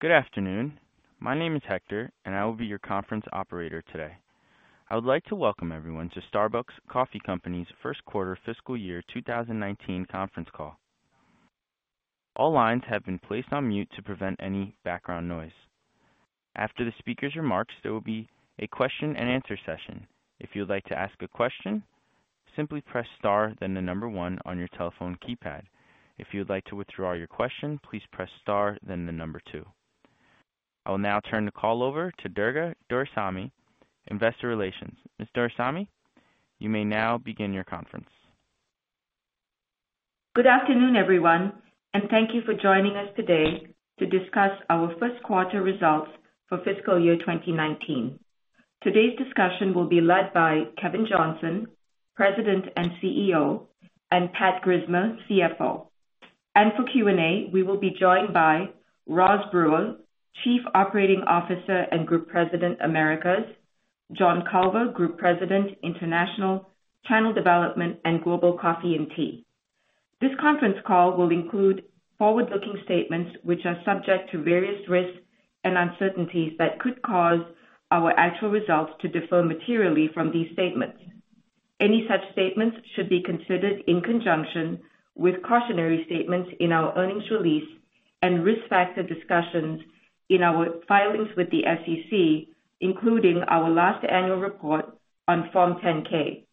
Good afternoon. My name is Hector, and I will be your conference operator today. I would like to welcome everyone to Starbucks Coffee Company's 1st quarter fiscal year 2019 conference call. All lines have been placed on mute to prevent any background noise. After the speaker's remarks, there will be a question-and-answer session. If you would like to ask a question, simply press star then the number one on your telephone keypad. If you would like to withdraw your question, please press star then the number two. I will now turn the call over to Durga Doraisamy, Investor Relations. Ms. Doraisamy, you may now begin your conference. Good afternoon, everyone, and thank you for joining us today to discuss our first quarter results for fiscal year 2019. Today's discussion will be led by Kevin Johnson, President and CEO, and Patrick Grismer, CFO. For Q&A, we will be joined by Rosalind Brewer, Chief Operating Officer and Group President, Americas, John Culver, Group President, International, Channel Development, and Global Coffee and Tea. This conference call will include forward-looking statements which are subject to various risks and uncertainties that could cause our actual results to differ materially from these statements. Any such statements should be considered in conjunction with cautionary statements in our earnings release and risk factor discussions in our filings with the SEC, including our last annual report on Form 10-K.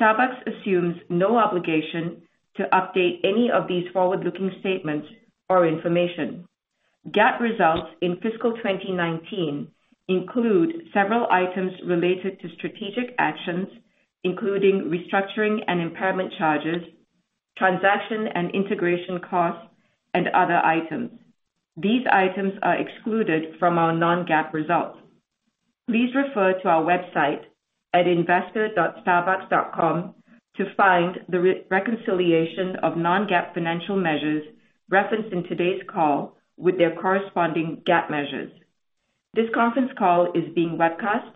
Starbucks assumes no obligation to update any of these forward-looking statements or information. GAAP results in fiscal 2019 include several items related to strategic actions, including restructuring and impairment charges, transaction and integration costs, and other items. These items are excluded from our non-GAAP results. Please refer to our website at investor.starbucks.com to find the reconciliation of non-GAAP financial measures referenced in today's call with their corresponding GAAP measures. This conference call is being webcast,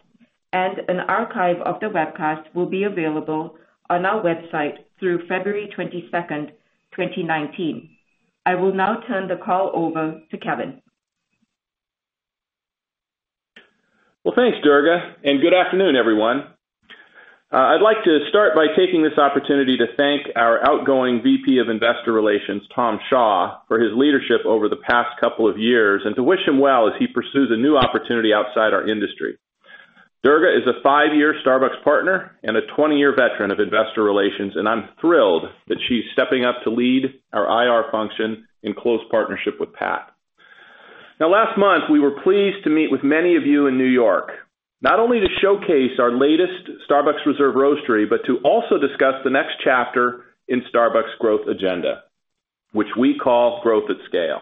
an archive of the webcast will be available on our website through February 22nd, 2019. I will now turn the call over to Kevin. Well, thanks, Durga, and good afternoon, everyone. I'd like to start by taking this opportunity to thank our outgoing VP of Investor Relations, Tom Shaw, for his leadership over the past couple of years and to wish him well as he pursues a new opportunity outside our industry. Durga is a five-year Starbucks partner and a 20-year veteran of investor relations, and I'm thrilled that she's stepping up to lead our IR function in close partnership with Pat. Last month, we were pleased to meet with many of you in New York, not only to showcase our latest Starbucks Reserve Roastery, but to also discuss the next chapter in Starbucks' growth agenda, which we call growth at scale.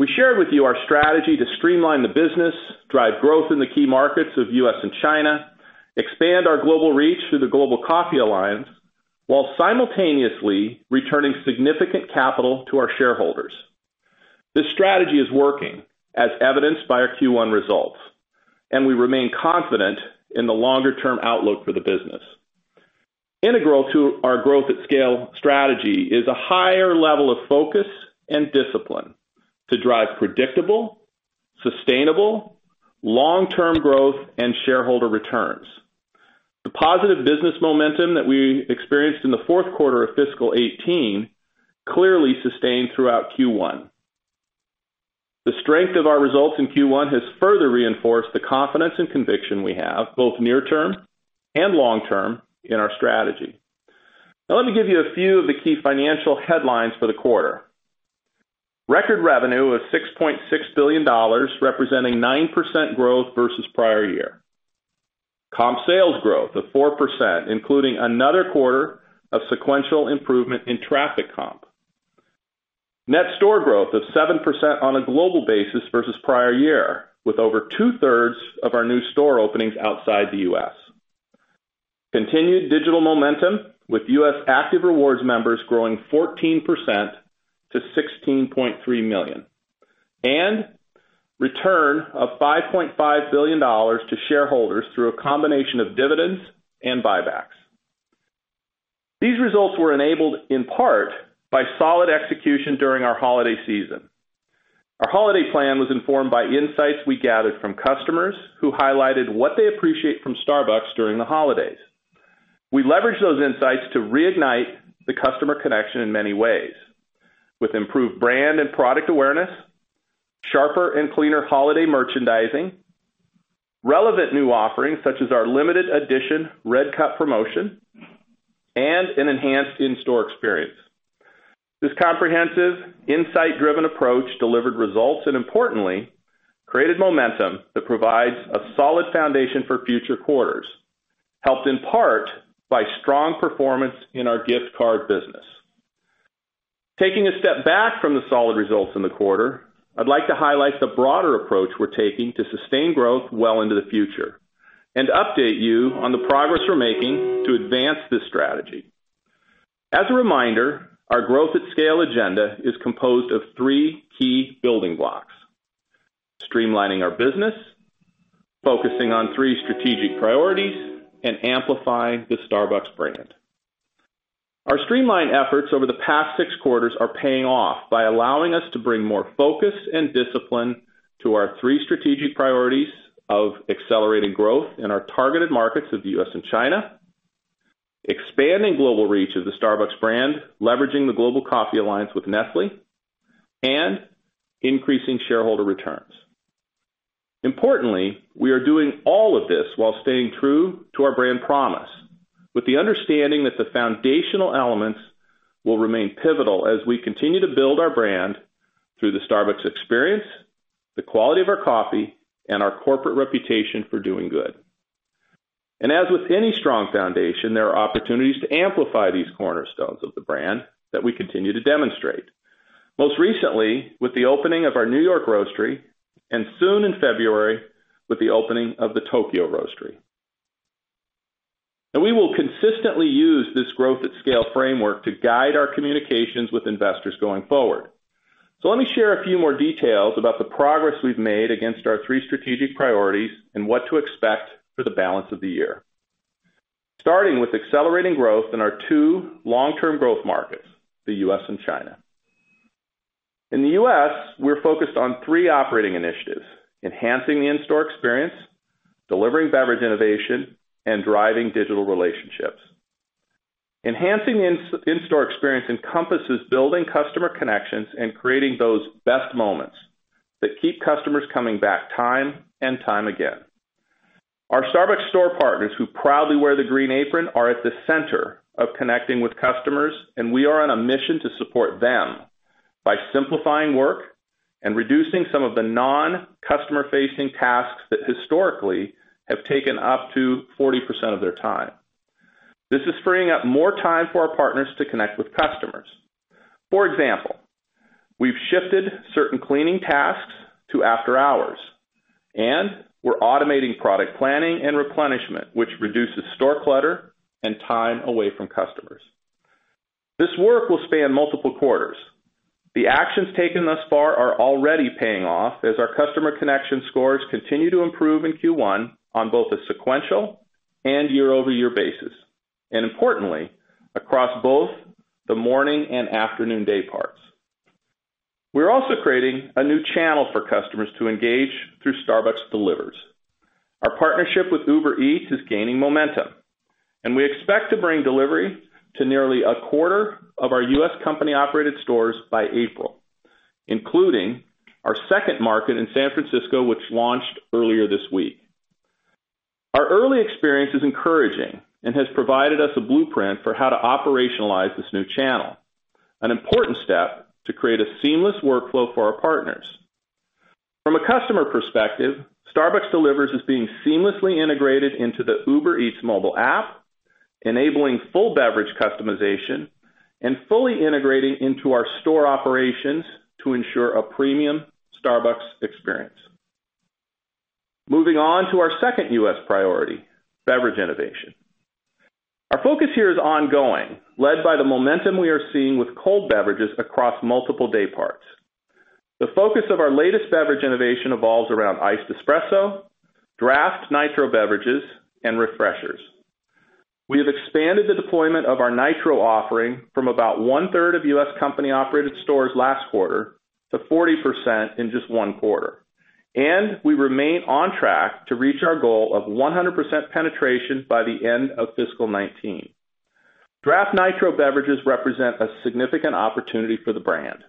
We shared with you our strategy to streamline the business, drive growth in the key markets of U.S. and China, expand our global reach through the Global Coffee Alliance, while simultaneously returning significant capital to our shareholders. This strategy is working as evidenced by our Q1 results, and we remain confident in the longer-term outlook for the business. Integral to our growth at scale strategy is a higher level of focus and discipline to drive predictable, sustainable, long-term growth and shareholder returns. The positive business momentum that we experienced in the fourth quarter of fiscal 2018 clearly sustained throughout Q1. The strength of our results in Q1 has further reinforced the confidence and conviction we have, both near term and long term in our strategy. Now let me give you a few of the key financial headlines for the quarter. Record revenue of $6.6 billion, representing 9% growth versus prior year. Comp sales growth of 4%, including another quarter of sequential improvement in traffic comp. Net store growth of 7% on a global basis versus prior year with over two-thirds of our new store openings outside the U.S. Continued digital momentum with U.S. active rewards members growing 14% to 16.3 million. Return of $5.5 billion to shareholders through a combination of dividends and buybacks. These results were enabled in part by solid execution during our holiday season. Our holiday plan was informed by insights we gathered from customers who highlighted what they appreciate from Starbucks during the holidays. We leveraged those insights to reignite the customer connection in many ways with improved brand and product awareness, sharper and cleaner holiday merchandising, relevant new offerings such as our limited edition Red Cup promotion, and an enhanced in-store experience. This comprehensive, insight-driven approach delivered results and importantly, created momentum that provides a solid foundation for future quarters, helped in part by strong performance in our gift card business. Taking a step back from the solid results in the quarter, I'd like to highlight the broader approach we're taking to sustain growth well into the future and update you on the progress we're making to advance this strategy. As a reminder, our growth at scale agenda is composed of three key building blocks. Streamlining our business, focusing on three strategic priorities, and amplifying the Starbucks brand. Our streamline efforts over the past six quarters are paying off by allowing us to bring more focus and discipline to our three strategic priorities of accelerating growth in our targeted markets of the U.S. and China, expanding global reach of the Starbucks brand, leveraging the Global Coffee Alliance with Nestlé, and increasing shareholder returns. Importantly, we are doing all of this while staying true to our brand promise, with the understanding that the foundational elements will remain pivotal as we continue to build our brand through the Starbucks experience, the quality of our coffee, and our corporate reputation for doing good. As with any strong foundation, there are opportunities to amplify these cornerstones of the brand that we continue to demonstrate. Most recently, with the opening of our New York Roastery, and soon in February, with the opening of the Tokyo Roastery. We will consistently use this growth at scale framework to guide our communications with investors going forward. Let me share a few more details about the progress we've made against our three strategic priorities and what to expect for the balance of the year. Starting with accelerating growth in our two long-term growth markets, the U.S. and China. In the U.S., we're focused on three operating initiatives: enhancing the in-store experience, delivering beverage innovation, and driving digital relationships. Enhancing in-store experience encompasses building customer connections and creating those best moments that keep customers coming back time and time again. Our Starbucks store partners who proudly wear the green apron are at the center of connecting with customers, and we are on a mission to support them by simplifying work and reducing some of the non-customer-facing tasks that historically have taken up to 40% of their time. This is freeing up more time for our partners to connect with customers. For example, we've shifted certain cleaning tasks to after-hours, and we're automating product planning and replenishment, which reduces store clutter and time away from customers. This work will span multiple quarters. The actions taken thus far are already paying off as our customer connection scores continue to improve in Q1 on both a sequential and year-over-year basis, and importantly, across both the morning and afternoon day parts. We're also creating a new channel for customers to engage through Starbucks Delivers. Our partnership with Uber Eats is gaining momentum, and we expect to bring delivery to nearly a quarter of our U.S. company-operated stores by April, including our second market in San Francisco, which launched earlier this week. Our early experience is encouraging and has provided us a blueprint for how to operationalize this new channel, an important step to create a seamless workflow for our partners. From a customer perspective, Starbucks Delivers is being seamlessly integrated into the Uber Eats mobile app, enabling full beverage customization and fully integrating into our store operations to ensure a premium Starbucks experience. Moving on to our second U.S. priority, beverage innovation. Our focus here is ongoing, led by the momentum we are seeing with cold beverages across multiple day parts. The focus of our latest beverage innovation evolves around iced espresso, draft Nitro beverages, and Refreshers. We have expanded the deployment of our Nitro offering from about one-third of U.S. company-operated stores last quarter to 40% in just one quarter. We remain on track to reach our goal of 100% penetration by the end of FY 2019. Nitro beverages represent a significant opportunity for the brand.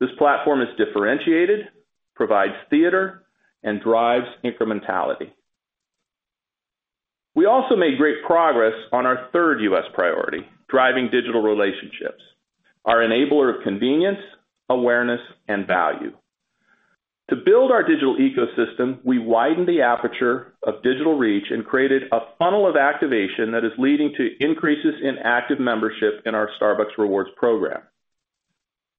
This platform is differentiated, provides theater, and drives incrementality. We also made great progress on our third U.S. priority, driving digital relationships, our enabler of convenience, awareness, and value. To build our digital ecosystem, we widened the aperture of digital reach and created a funnel of activation that is leading to increases in active membership in our Starbucks Rewards program.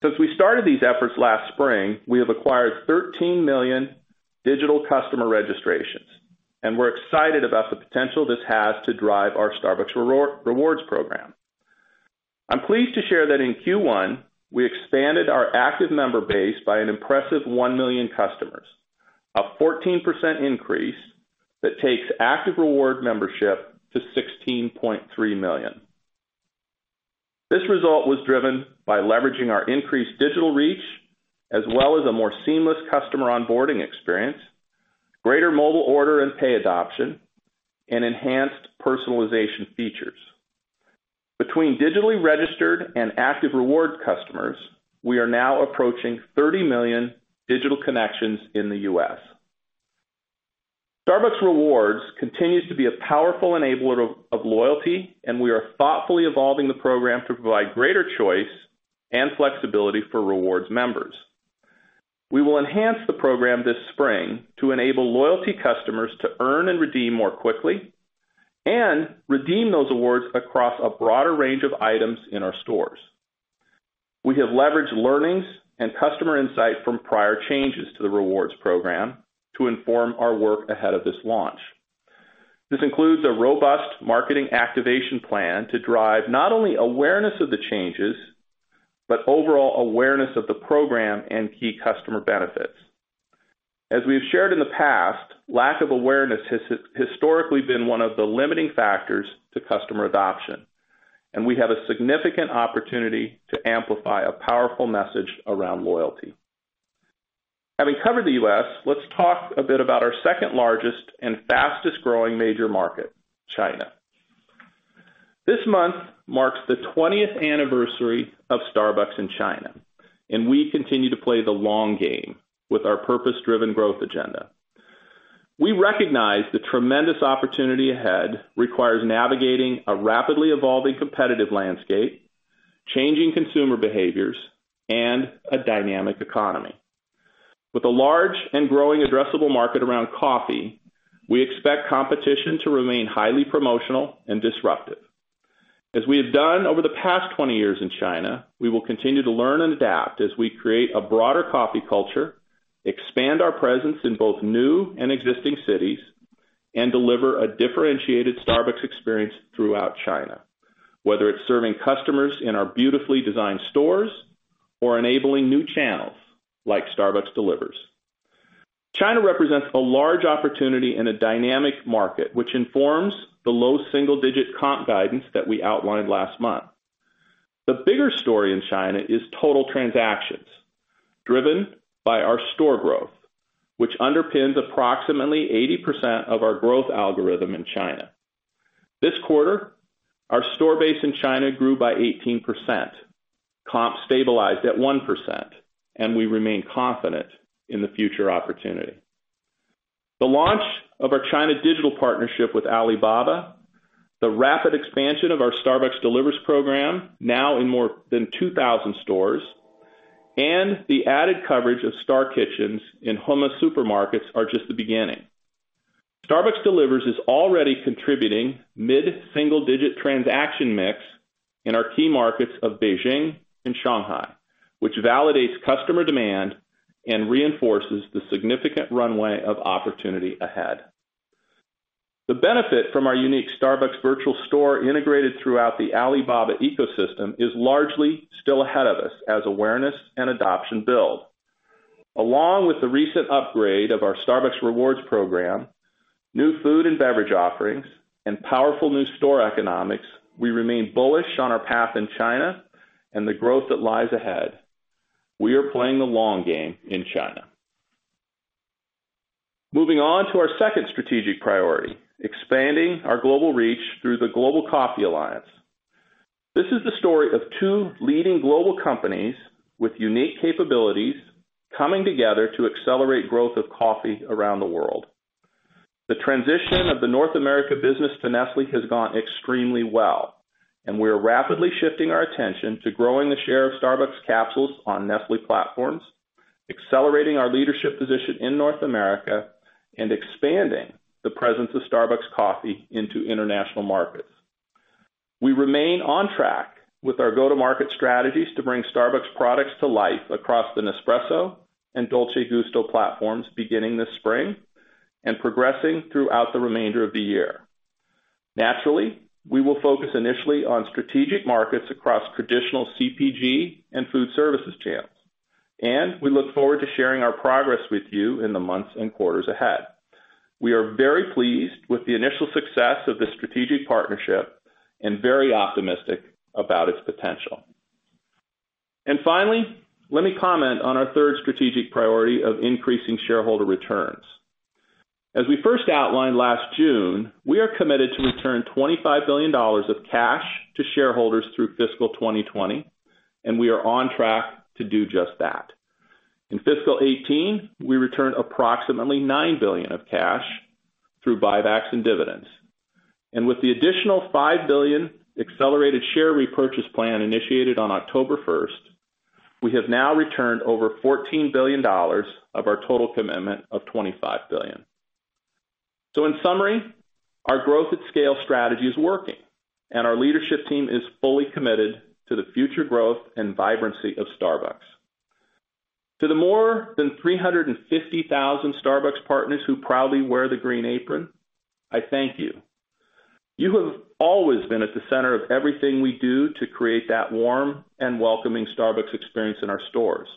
Since we started these efforts last spring, we have acquired 13 million digital customer registrations, and we're excited about the potential this has to drive our Starbucks Rewards program. I'm pleased to share that in Q1, we expanded our active member base by an impressive 1 million customers, a 14% increase that takes active reward membership to 16.3 million. This result was driven by leveraging our increased digital reach, as well as a more seamless customer onboarding experience, greater Mobile Order & Pay adoption, and enhanced personalization features. Between digitally registered and active reward customers, we are now approaching 30 million digital connections in the U.S. Starbucks Rewards continues to be a powerful enabler of loyalty. We are thoughtfully evolving the program to provide greater choice and flexibility for Rewards members. We will enhance the program this spring to enable loyalty customers to earn and redeem more quickly and redeem those awards across a broader range of items in our stores. We have leveraged learnings and customer insight from prior changes to the Starbucks Rewards program to inform our work ahead of this launch. This includes a robust marketing activation plan to drive not only awareness of the changes, but overall awareness of the program and key customer benefits. As we've shared in the past, lack of awareness has historically been one of the limiting factors to customer adoption, and we have a significant opportunity to amplify a powerful message around loyalty. Having covered the U.S., let's talk a bit about our second-largest and fastest-growing major market, China. This month marks the 20th anniversary of Starbucks in China, and we continue to play the long game with our purpose-driven growth agenda. We recognize the tremendous opportunity ahead requires navigating a rapidly evolving competitive landscape, changing consumer behaviors, and a dynamic economy. With a large and growing addressable market around coffee, we expect competition to remain highly promotional and disruptive. As we have done over the past 20 years in China, we will continue to learn and adapt as we create a broader coffee culture, expand our presence in both new and existing cities, and deliver a differentiated Starbucks experience throughout China, whether it's serving customers in our beautifully designed stores or enabling new channels like Starbucks Delivers. China represents a large opportunity in a dynamic market, which informs the low single-digit comp guidance that we outlined last month. The bigger story in China is total transactions driven by our store growth, which underpins approximately 80% of our growth algorithm in China. This quarter, our store base in China grew by 18%. Comp stabilized at 1%, and we remain confident in the future opportunity. The launch of our China digital partnership with Alibaba, the rapid expansion of our Starbucks Delivers program, now in more than 2,000 stores, and the added coverage of Star Kitchens in Hema supermarkets are just the beginning. Starbucks Delivers is already contributing mid-single digit transaction mix in our key markets of Beijing and Shanghai, which validates customer demand and reinforces the significant runway of opportunity ahead. The benefit from our unique Starbucks virtual store integrated throughout the Alibaba ecosystem is largely still ahead of us as awareness and adoption build. Along with the recent upgrade of our Starbucks Rewards program, new food and beverage offerings, and powerful new store economics, we remain bullish on our path in China and the growth that lies ahead. We are playing the long game in China. Moving on to our second strategic priority, expanding our global reach through the Global Coffee Alliance. This is the story of two leading global companies with unique capabilities coming together to accelerate growth of coffee around the world. The transition of the North America business to Nestlé has gone extremely well. We are rapidly shifting our attention to growing the share of Starbucks capsules on Nestlé platforms, accelerating our leadership position in North America, and expanding the presence of Starbucks coffee into international markets. We remain on track with our go-to-market strategies to bring Starbucks products to life across the Nespresso and Dolce Gusto platforms beginning this spring and progressing throughout the remainder of the year. Naturally, we will focus initially on strategic markets across traditional CPG and food services channels. We look forward to sharing our progress with you in the months and quarters ahead. We are very pleased with the initial success of this strategic partnership and very optimistic about its potential. Finally, let me comment on our third strategic priority of increasing shareholder returns. As we first outlined last June, we are committed to return $25 billion of cash to shareholders through fiscal 2020, and we are on track to do just that. In fiscal 2018, we returned approximately $9 billion of cash through buybacks and dividends. With the additional $5 billion accelerated share repurchase plan initiated on October 1, we have now returned over $14 billion of our total commitment of $25 billion. In summary, our Growth at Scale Strategy is working, and our leadership team is fully committed to the future growth and vibrancy of Starbucks. To the more than 350,000 Starbucks partners who proudly wear the green apron, I thank you. You have always been at the center of everything we do to create that warm and welcoming Starbucks experience in our stores.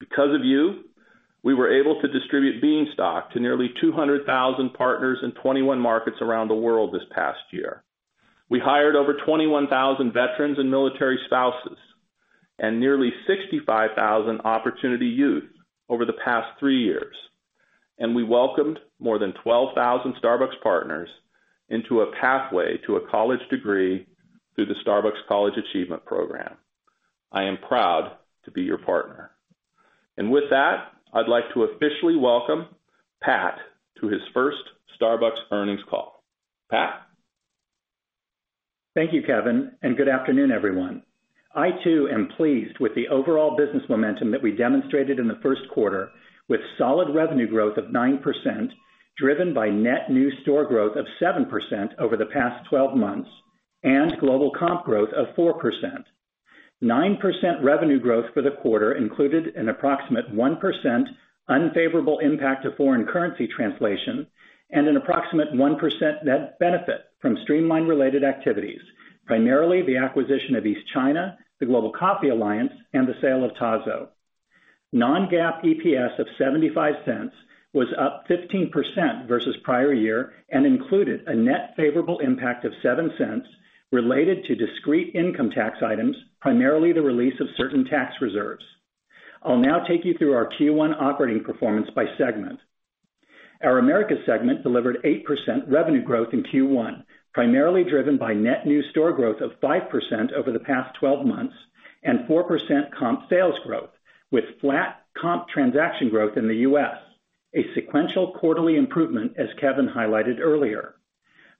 Because of you, we were able to distribute Bean Stock to nearly 200,000 partners in 21 markets around the world this past year. We hired over 21,000 veterans and military spouses and nearly 65,000 opportunity youth over the past three years. We welcomed more than 12,000 Starbucks partners into a pathway to a college degree through the Starbucks College Achievement Plan. I am proud to be your partner. With that, I'd like to officially welcome Pat to his first Starbucks earnings call. Pat? Thank you, Kevin, and good afternoon, everyone. I too am pleased with the overall business momentum that we demonstrated in the first quarter with solid revenue growth of 9%, driven by net new store growth of 7% over the past 12 months and global comp growth of 4%. 9% revenue growth for the quarter included an approximate 1% unfavorable impact to foreign currency translation and an approximate 1% net benefit from streamline-related activities, primarily the acquisition of East China, the Global Coffee Alliance, and the sale of Tazo. Non-GAAP EPS of $0.75 was up 15% versus prior year and included a net favorable impact of $0.07 related to discrete income tax items, primarily the release of certain tax reserves. I'll now take you through our Q1 operating performance by segment. Our Americas segment delivered 8% revenue growth in Q1, primarily driven by net new store growth of 5% over the past 12 months and 4% comp sales growth with flat comp transaction growth in the U.S., a sequential quarterly improvement, as Kevin Johnson highlighted earlier.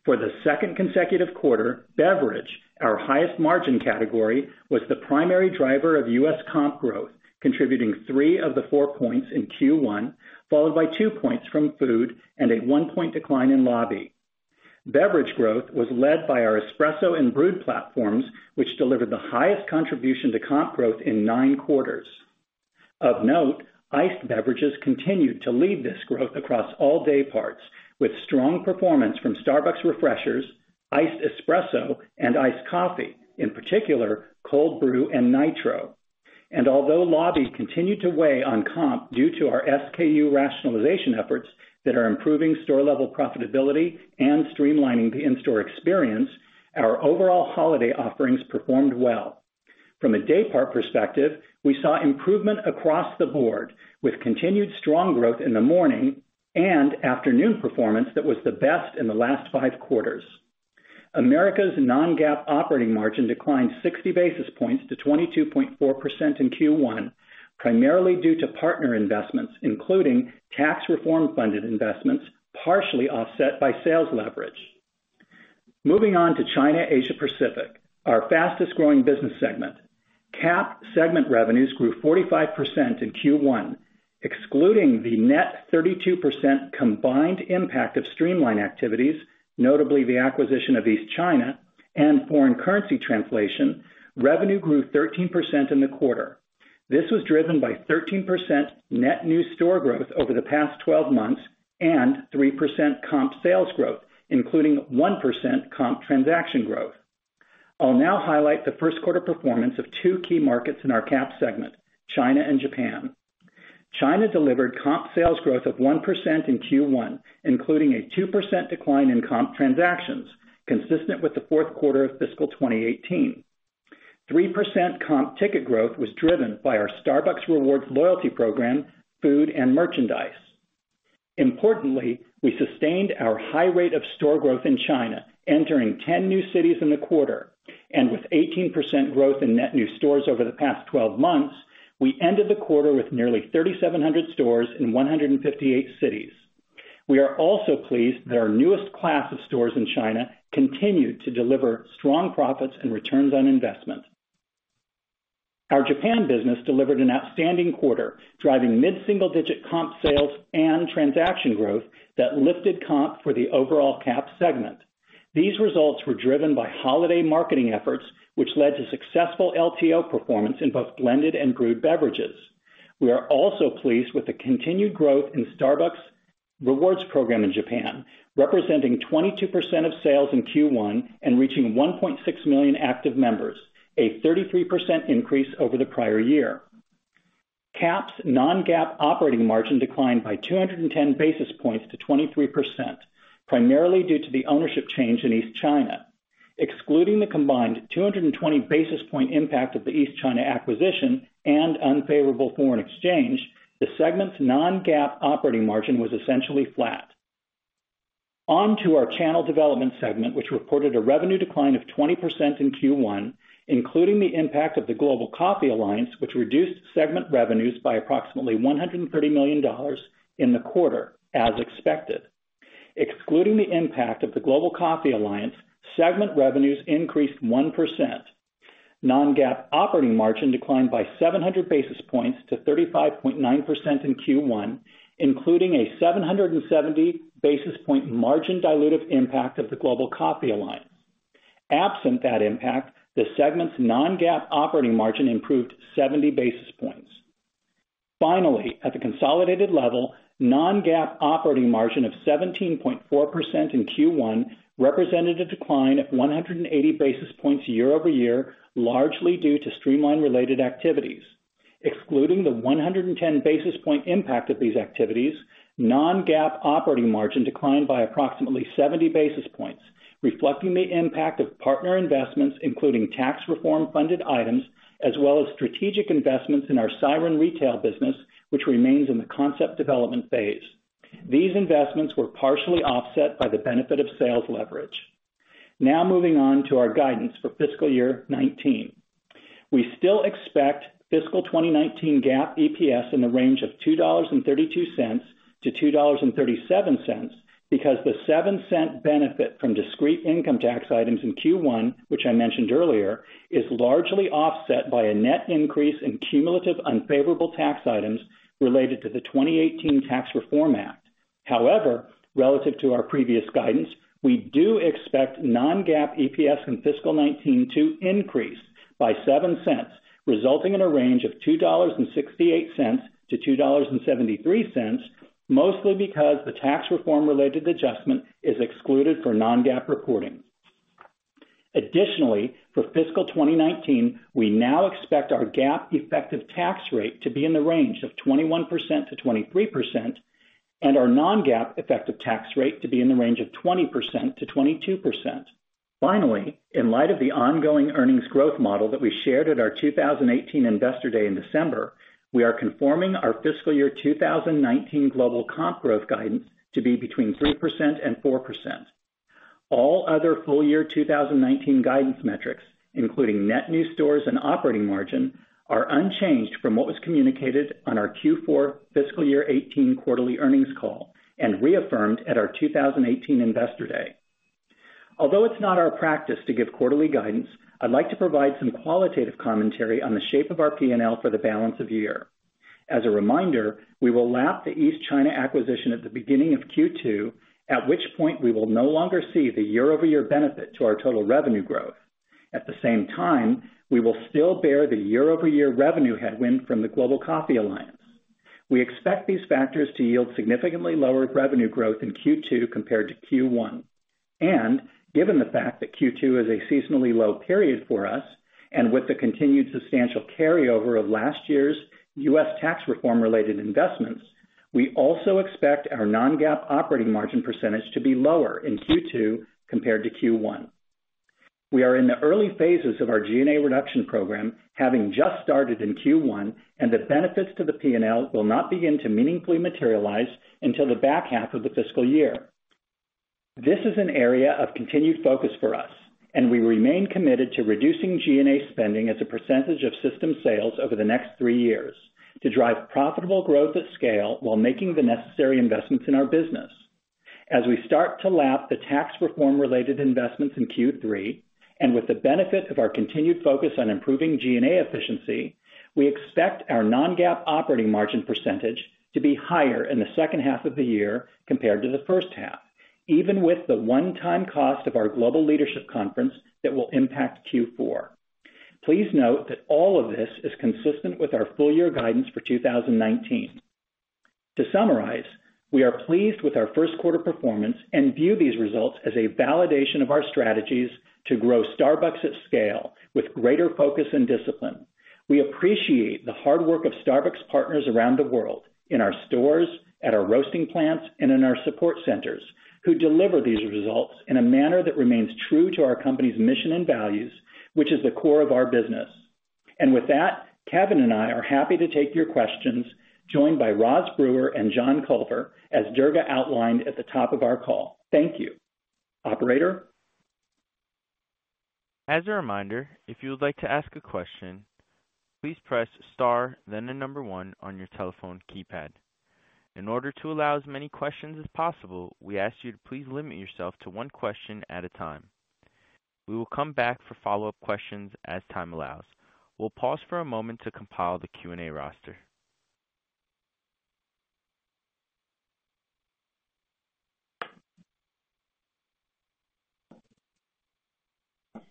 For the second consecutive quarter, beverage, our highest margin category, was the primary driver of U.S. comp growth, contributing three of the four points in Q1, followed by two points from food and a one-point decline in lobby. Beverage growth was led by our espresso and brewed platforms, which delivered the highest contribution to comp growth in nine quarters. Of note, iced beverages continued to lead this growth across all day parts with strong performance from Starbucks Refreshers, iced espresso, and iced coffee, in particular Cold Brew and Nitro. Although lobbies continued to weigh on comp due to our SKU rationalization efforts that are improving store-level profitability and streamlining the in-store experience, our overall holiday offerings performed well. From a day part perspective, we saw improvement across the board with continued strong growth in the morning and afternoon performance that was the best in the last five quarters. Americas non-GAAP operating margin declined 60 basis points to 22.4% in Q1, primarily due to partner investments, including tax reform funded investments, partially offset by sales leverage. Moving on to China, Asia Pacific, our fastest-growing business segment. CAP segment revenues grew 45% in Q1. Excluding the net 32% combined impact of streamline activities, notably the acquisition of East China and foreign currency translation, revenue grew 13% in the quarter. This was driven by 13% net new store growth over the past 12 months and 3% comp sales growth, including 1% comp transaction growth. I'll now highlight the first quarter performance of two key markets in our CAP segment, China and Japan. China delivered comp sales growth of 1% in Q1, including a 2% decline in comp transactions, consistent with the fourth quarter of fiscal 2018. 3% comp ticket growth was driven by our Starbucks Rewards loyalty program, food, and merchandise. Importantly, we sustained our high rate of store growth in China, entering 10 new cities in the quarter. With 18% growth in net new stores over the past 12 months, we ended the quarter with nearly 3,700 stores in 158 cities. We are also pleased that our newest class of stores in China continued to deliver strong profits and returns on investment. Our Japan business delivered an outstanding quarter, driving mid-single-digit comp sales and transaction growth that lifted comp for the overall CAP segment. These results were driven by holiday marketing efforts, which led to successful LTO performance in both blended and brewed beverages. We are also pleased with the continued growth in Starbucks Rewards program in Japan, representing 22% of sales in Q1 and reaching 1.6 million active members, a 33% increase over the prior year. CAP's non-GAAP operating margin declined by 210 basis points to 23%, primarily due to the ownership change in East China. Excluding the combined 220 basis point impact of the East China acquisition and unfavorable foreign exchange, the segment's non-GAAP operating margin was essentially flat. On to our Channel Development segment, which reported a revenue decline of 20% in Q1, including the impact of the Global Coffee Alliance, which reduced segment revenues by approximately $130 million in the quarter, as expected. Excluding the impact of the Global Coffee Alliance, segment revenues increased 1%. Non-GAAP operating margin declined by 700 basis points to 35.9% in Q1, including a 770 basis point margin dilutive impact of the Global Coffee Alliance. Absent that impact, the segment's non-GAAP operating margin improved 70 basis points. At the consolidated level, non-GAAP operating margin of 17.4% in Q1 represented a decline of 180 basis points year-over-year, largely due to streamline-related activities. Excluding the 110 basis point impact of these activities, non-GAAP operating margin declined by approximately 70 basis points, reflecting the impact of partner investments, including tax reform funded items, as well as strategic investments in our Siren Retail business, which remains in the concept development phase. These investments were partially offset by the benefit of sales leverage. Moving on to our guidance for FY 2019. We still expect fiscal 2019 GAAP EPS in the range of $2.32 to $2.37 because the $0.07 benefit from discrete income tax items in Q1, which I mentioned earlier, is largely offset by a net increase in cumulative unfavorable tax items related to the 2018 Tax Reform Act. However, relative to our previous guidance, we do expect non-GAAP EPS in fiscal 2019 to increase by $0.07, resulting in a range of $2.68 to $2.73, mostly because the tax reform-related adjustment is excluded for non-GAAP reporting. Additionally, for fiscal 2019, we now expect our GAAP effective tax rate to be in the range of 21%-23% and our non-GAAP effective tax rate to be in the range of 20%-22%. In light of the ongoing earnings growth model that we shared at our 2018 Investor Day in December, we are conforming our FY 2019 global comp growth guidance to be between 3% and 4%. All other full year 2019 guidance metrics, including net new stores and operating margin, are unchanged from what was communicated on our Q4 FY 2018 quarterly earnings call and reaffirmed at our 2018 Investor Day. Although it's not our practice to give quarterly guidance, I'd like to provide some qualitative commentary on the shape of our P&L for the balance of the year. As a reminder, we will lap the East China acquisition at the beginning of Q2, at which point we will no longer see the year-over-year benefit to our total revenue growth. At the same time, we will still bear the year-over-year revenue headwind from the Global Coffee Alliance. We expect these factors to yield significantly lower revenue growth in Q2 compared to Q1. Given the fact that Q2 is a seasonally low period for us, and with the continued substantial carryover of last year's U.S. tax reform-related investments, we also expect our non-GAAP operating margin percentage to be lower in Q2 compared to Q1. We are in the early phases of our G&A reduction program, having just started in Q1, and the benefits to the P&L will not begin to meaningfully materialize until the back half of the fiscal year. This is an area of continued focus for us, and we remain committed to reducing G&A spending as a percentage of system sales over the next three years to drive profitable growth at scale while making the necessary investments in our business. As we start to lap the tax reform-related investments in Q3, and with the benefit of our continued focus on improving G&A efficiency, we expect our non-GAAP operating margin percentage to be higher in the second half of the year compared to the first half, even with the one-time cost of our Global Leadership Conference that will impact Q4. Please note that all of this is consistent with our full-year guidance for 2019. To summarize, we are pleased with our first quarter performance and view these results as a validation of our strategies to grow Starbucks at scale with greater focus and discipline. We appreciate the hard work of Starbucks partners around the world, in our stores, at our roasting plants, and in our support centers, who deliver these results in a manner that remains true to our company's mission and values, which is the core of our business. With that, Kevin and I are happy to take your questions, joined by Roz Brewer and John Culver, as Durga outlined at the top of our call. Thank you. Operator?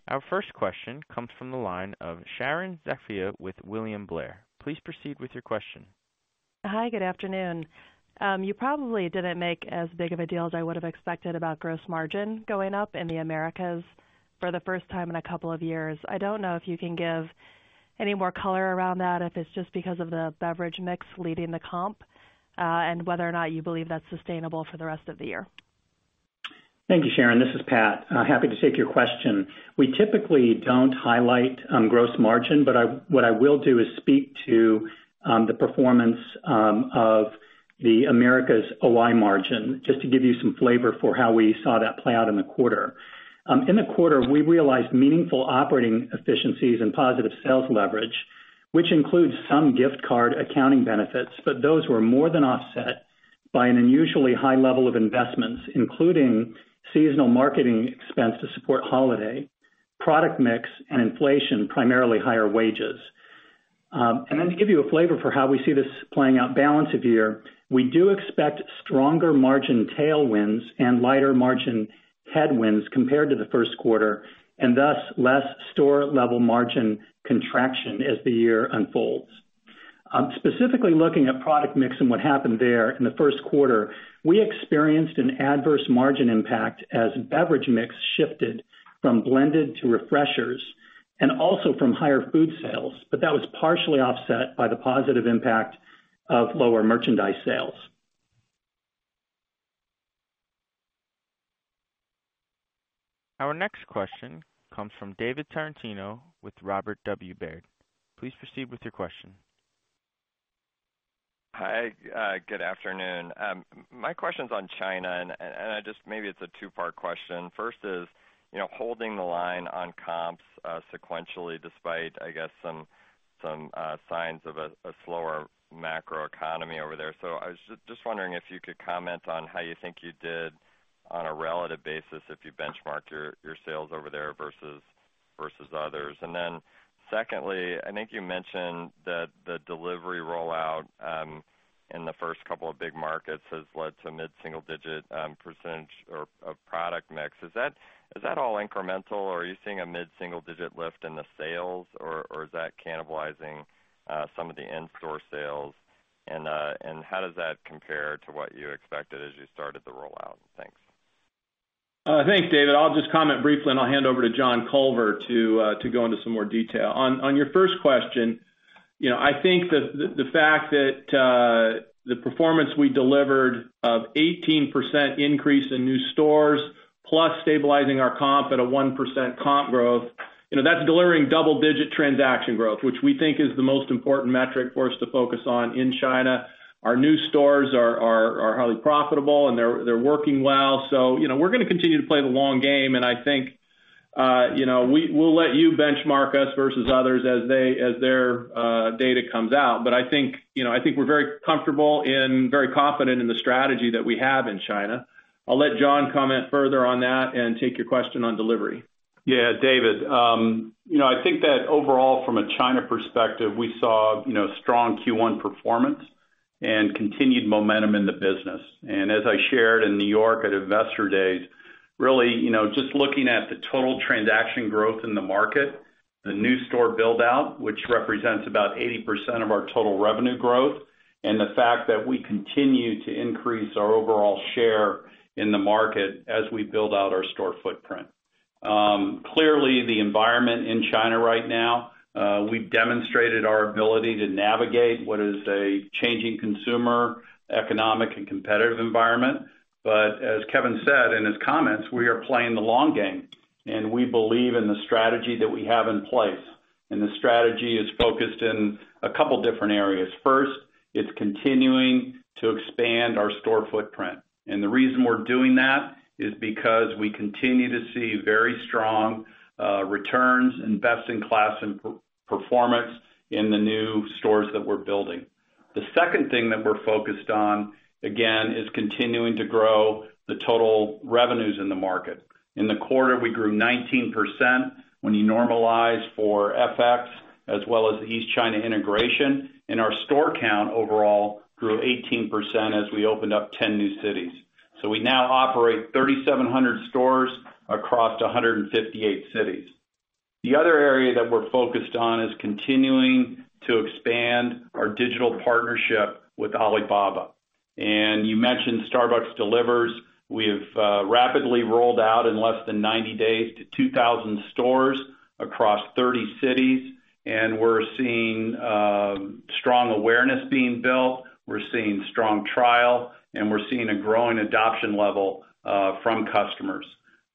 Our first question comes from the line of Sharon Zackfia with William Blair. Please proceed with your question. Hi, good afternoon. You probably didn't make as big of a deal as I would have expected about gross margin going up in the Americas for the first time in a couple of years. I don't know if you can give any more color around that, if it's just because of the beverage mix leading the comp, and whether or not you believe that's sustainable for the rest of the year. Thank you, Sharon. This is Pat. Happy to take your question. We typically don't highlight gross margin, but what I will do is speak to the performance of the Americas OI margin, just to give you some flavor for how we saw that play out in the quarter. In the quarter, we realized meaningful operating efficiencies and positive sales leverage, which includes some gift card accounting benefits, but those were more than offset by an unusually high level of investments, including seasonal marketing expense to support holiday, product mix, and inflation, primarily higher wages. To give you a flavor for how we see this playing out balance of year, we do expect stronger margin tailwinds and lighter margin headwinds compared to the first quarter, and thus less store-level margin contraction as the year unfolds. Specifically looking at product mix and what happened there in the first quarter, we experienced an adverse margin impact as beverage mix shifted from blended to Refreshers and also from higher food sales, but that was partially offset by the positive impact of lower merchandise sales. Our next question comes from David Tarantino with Robert W. Baird. Please proceed with your question. Hi, good afternoon. My question's on China, and maybe it's a two-part question. First is, you know, holding the line on comps sequentially, despite, I guess, some signs of a slower macroeconomy over there. I was just wondering if you could comment on how you think you did on a relative basis if you benchmark your sales over there versus others. Secondly, I think you mentioned that the delivery rollout in the first couple of big markets has led to mid-single digit percentage of product mix. Is that all incremental, or are you seeing a mid-single digit lift in the sales? Or is that cannibalizing some of the in-store sales? And how does that compare to what you expected as you started the rollout? Thanks. Thanks, David. I'll just comment briefly, and I'll hand over to John Culver to go into some more detail. On your first question, you know, I think that the fact that the performance we delivered of 18% increase in new stores, plus stabilizing our comp at a 1% comp growth, you know, that's delivering double-digit transaction growth, which we think is the most important metric for us to focus on in China. Our new stores are highly profitable, and they're working well. You know, we're gonna continue to play the long game, and I think, you know, we'll let you benchmark us versus others as their data comes out. I think, you know, we're very comfortable and very confident in the strategy that we have in China. I'll let John comment further on that and take your question on delivery. Yeah, David, you know, I think that overall from a China perspective, we saw, you know, strong Q1 performance and continued momentum in the business. As I shared in New York at Investor Days, really, you know, just looking at the total transaction growth in the market, the new store build-out, which represents about 80% of our total revenue growth, and the fact that we continue to increase our overall share in the market as we build out our store footprint. Clearly, the environment in China right now, we've demonstrated our ability to navigate what is a changing consumer, economic, and competitive environment. As Kevin said in his comments, we are playing the long game, and we believe in the strategy that we have in place. The strategy is focused in a two different areas. First, it's continuing to expand our store footprint. The reason we're doing that is because we continue to see very strong returns and best-in-class performance in the new stores that we're building. The second thing that we're focused on, again, is continuing to grow the total revenues in the market. In the quarter, we grew 19% when you normalize for FX as well as the East China integration. Our store count overall grew 18% as we opened up 10 new cities. We now operate 3,700 stores across 158 cities. The other area that we're focused on is continuing to expand our digital partnership with Alibaba. You mentioned Starbucks Delivers. We have rapidly rolled out in less than 90 days to 2,000 stores across 30 cities, and we're seeing strong awareness being built. We're seeing strong trial, we're seeing a growing adoption level from customers.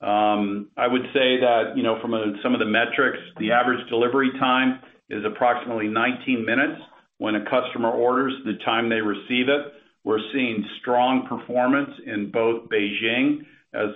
I would say that, you know, from some of the metrics, the average delivery time is approximately 19 minutes when a customer orders, the time they receive it. We're seeing strong performance in both Beijing as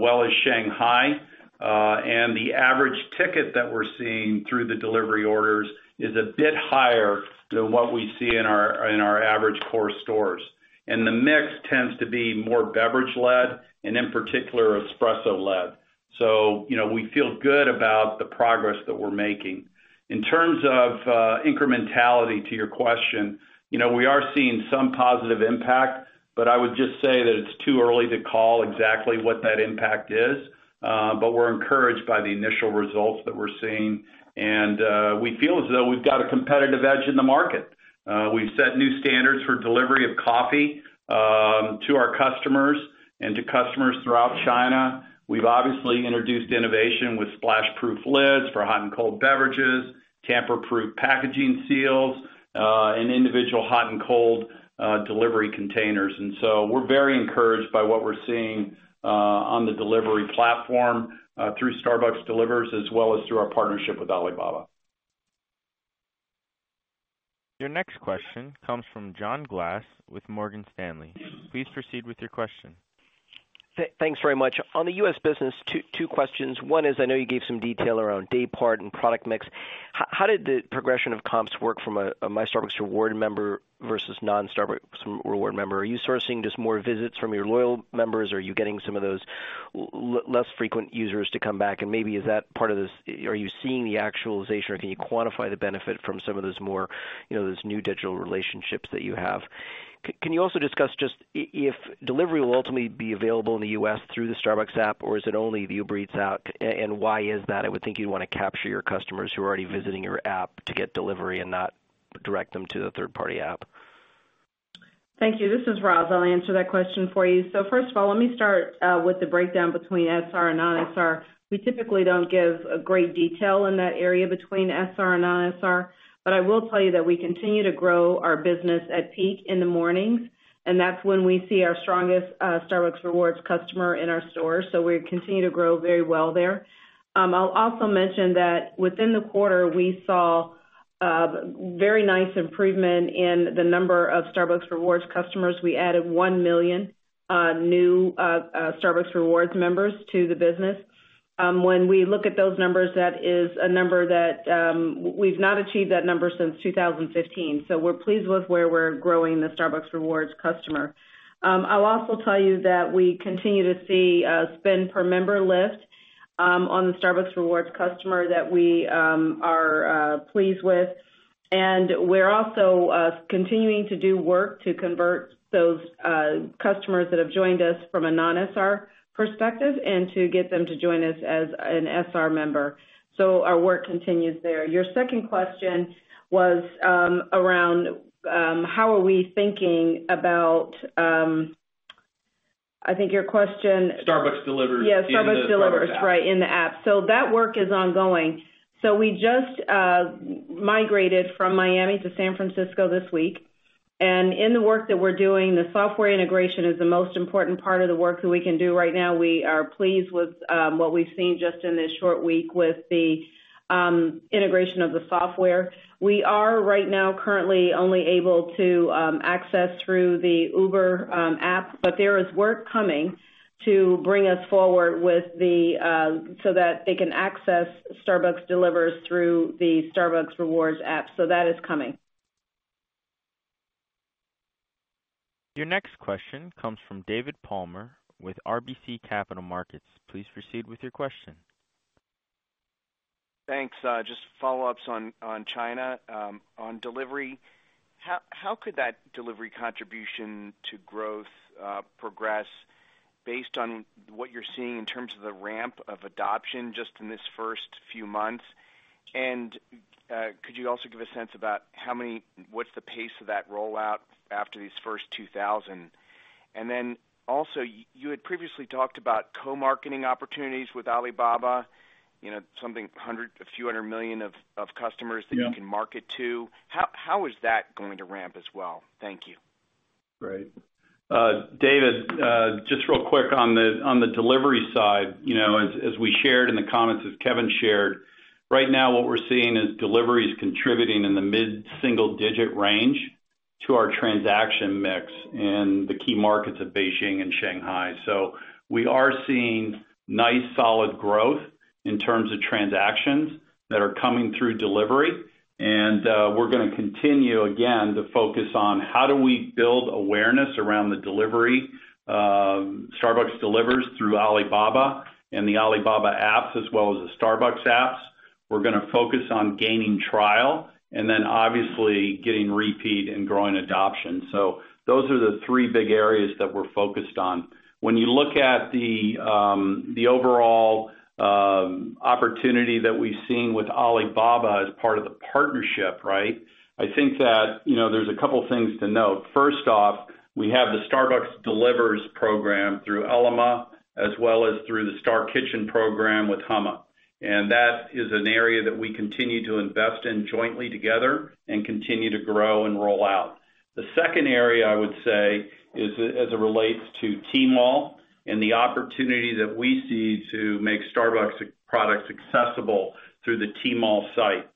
well as Shanghai. The average ticket that we're seeing through the delivery orders is a bit higher than what we see in our average core stores. The mix tends to be more beverage-led, and in particular, espresso-led. You know, we feel good about the progress that we're making. In terms of incrementality to your question, you know, we are seeing some positive impact, but I would just say that it's too early to call exactly what that impact is. We're encouraged by the initial results that we're seeing. We feel as though we've got a competitive edge in the market. We've set new standards for delivery of coffee to our customers and to customers throughout China. We've obviously introduced innovation with splash-proof lids for hot and cold beverages, tamper-proof packaging seals, and individual hot and cold delivery containers. We're very encouraged by what we're seeing on the delivery platform through Starbucks Delivers as well as through our partnership with Alibaba. Your next question comes from John Glass with Morgan Stanley. Please proceed with your question. Thanks very much. On the U.S. business, two questions. One is, I know you gave some detail around day part and product mix. How did the progression of comps work from a My Starbucks Rewards member versus non-Starbucks Rewards member? Are you sort of seeing just more visits from your loyal members? Are you getting some of those less frequent users to come back? Maybe is that part of this? Are you seeing the actualization or can you quantify the benefit from some of those more, you know, those new digital relationships that you have? Can you also discuss just if delivery will ultimately be available in the U.S. through the Starbucks app, or is it only the Uber Eats app? Why is that? I would think you'd want to capture your customers who are already visiting your app to get delivery and not direct them to a third-party app. Thank you. This is Roz. I'll answer that question for you. First of all, let me start with the breakdown between SR and non-SR. We typically don't give a great detail in that area between SR and non-SR, but I will tell you that we continue to grow our business at peak in the mornings, and that's when we see our strongest Starbucks Rewards customer in our stores. We continue to grow very well there. I'll also mention that within the quarter, we saw very nice improvement in the number of Starbucks Rewards customers. We added $1 million new Starbucks Rewards members to the business. When we look at those numbers, that is a number that we've not achieved that number since 2015. We're pleased with where we're growing the Starbucks Rewards customer. I'll also tell you that we continue to see spend per member lift on the Starbucks Rewards customer that we are pleased with. We're also continuing to do work to convert those customers that have joined us from a non-SR perspective and to get them to join us as an SR member. Our work continues there. Your second question was around how are we thinking about, I think your question. Starbucks Delivers in the Starbucks app. Yeah, Starbucks Delivers, right, in the app. That work is ongoing. We just migrated from Miami to San Francisco this week, and in the work that we're doing, the software integration is the most important part of the work that we can do right now. We are pleased with what we've seen just in this short week with the integration of the software. We are right now currently only able to access through the Uber app, but there is work coming to bring us forward with the so that they can access Starbucks Delivers through the Starbucks Rewards app. That is coming. Your next question comes from David Palmer with RBC Capital Markets. Please proceed with your question. Thanks. Just follow-ups on China. On delivery, how could that delivery contribution to growth, progress based on what you're seeing in terms of the ramp of adoption just in this first few month? Could you also give a sense about what's the pace of that rollout after these first 2,000? Then also, you had previously talked about co-marketing opportunities with Alibaba, you know, a few hundred million of customers. Yeah that you can market to. How is that going to ramp as well? Thank you. Great. David, just real quick on the, on the delivery side. You know, as we shared in the comments, as Kevin Johnson shared, right now what we're seeing is delivery is contributing in the mid-single digit range to our transaction mix in the key markets of Beijing and Shanghai. We are seeing nice, solid growth in terms of transactions that are coming through delivery. We're gonna continue, again, to focus on how do we build awareness around the delivery, Starbucks Delivers through Alibaba and the Alibaba apps as well as the Starbucks apps. We're gonna focus on gaining trial and then obviously getting repeat and growing adoption. Those are the three big areas that we're focused on. When you look at the overall, opportunity that we've seen with Alibaba as part of the partnership, right? I think that, you know, there's a couple things to note. First off, we have the Starbucks Delivers program through Ele.me as well as through the Star Kitchen program with Hema. That is an area that we continue to invest in jointly together and continue to grow and roll out. The second area, I would say, is as it relates to Tmall and the opportunity that we see to make Starbucks products accessible through the Tmall site.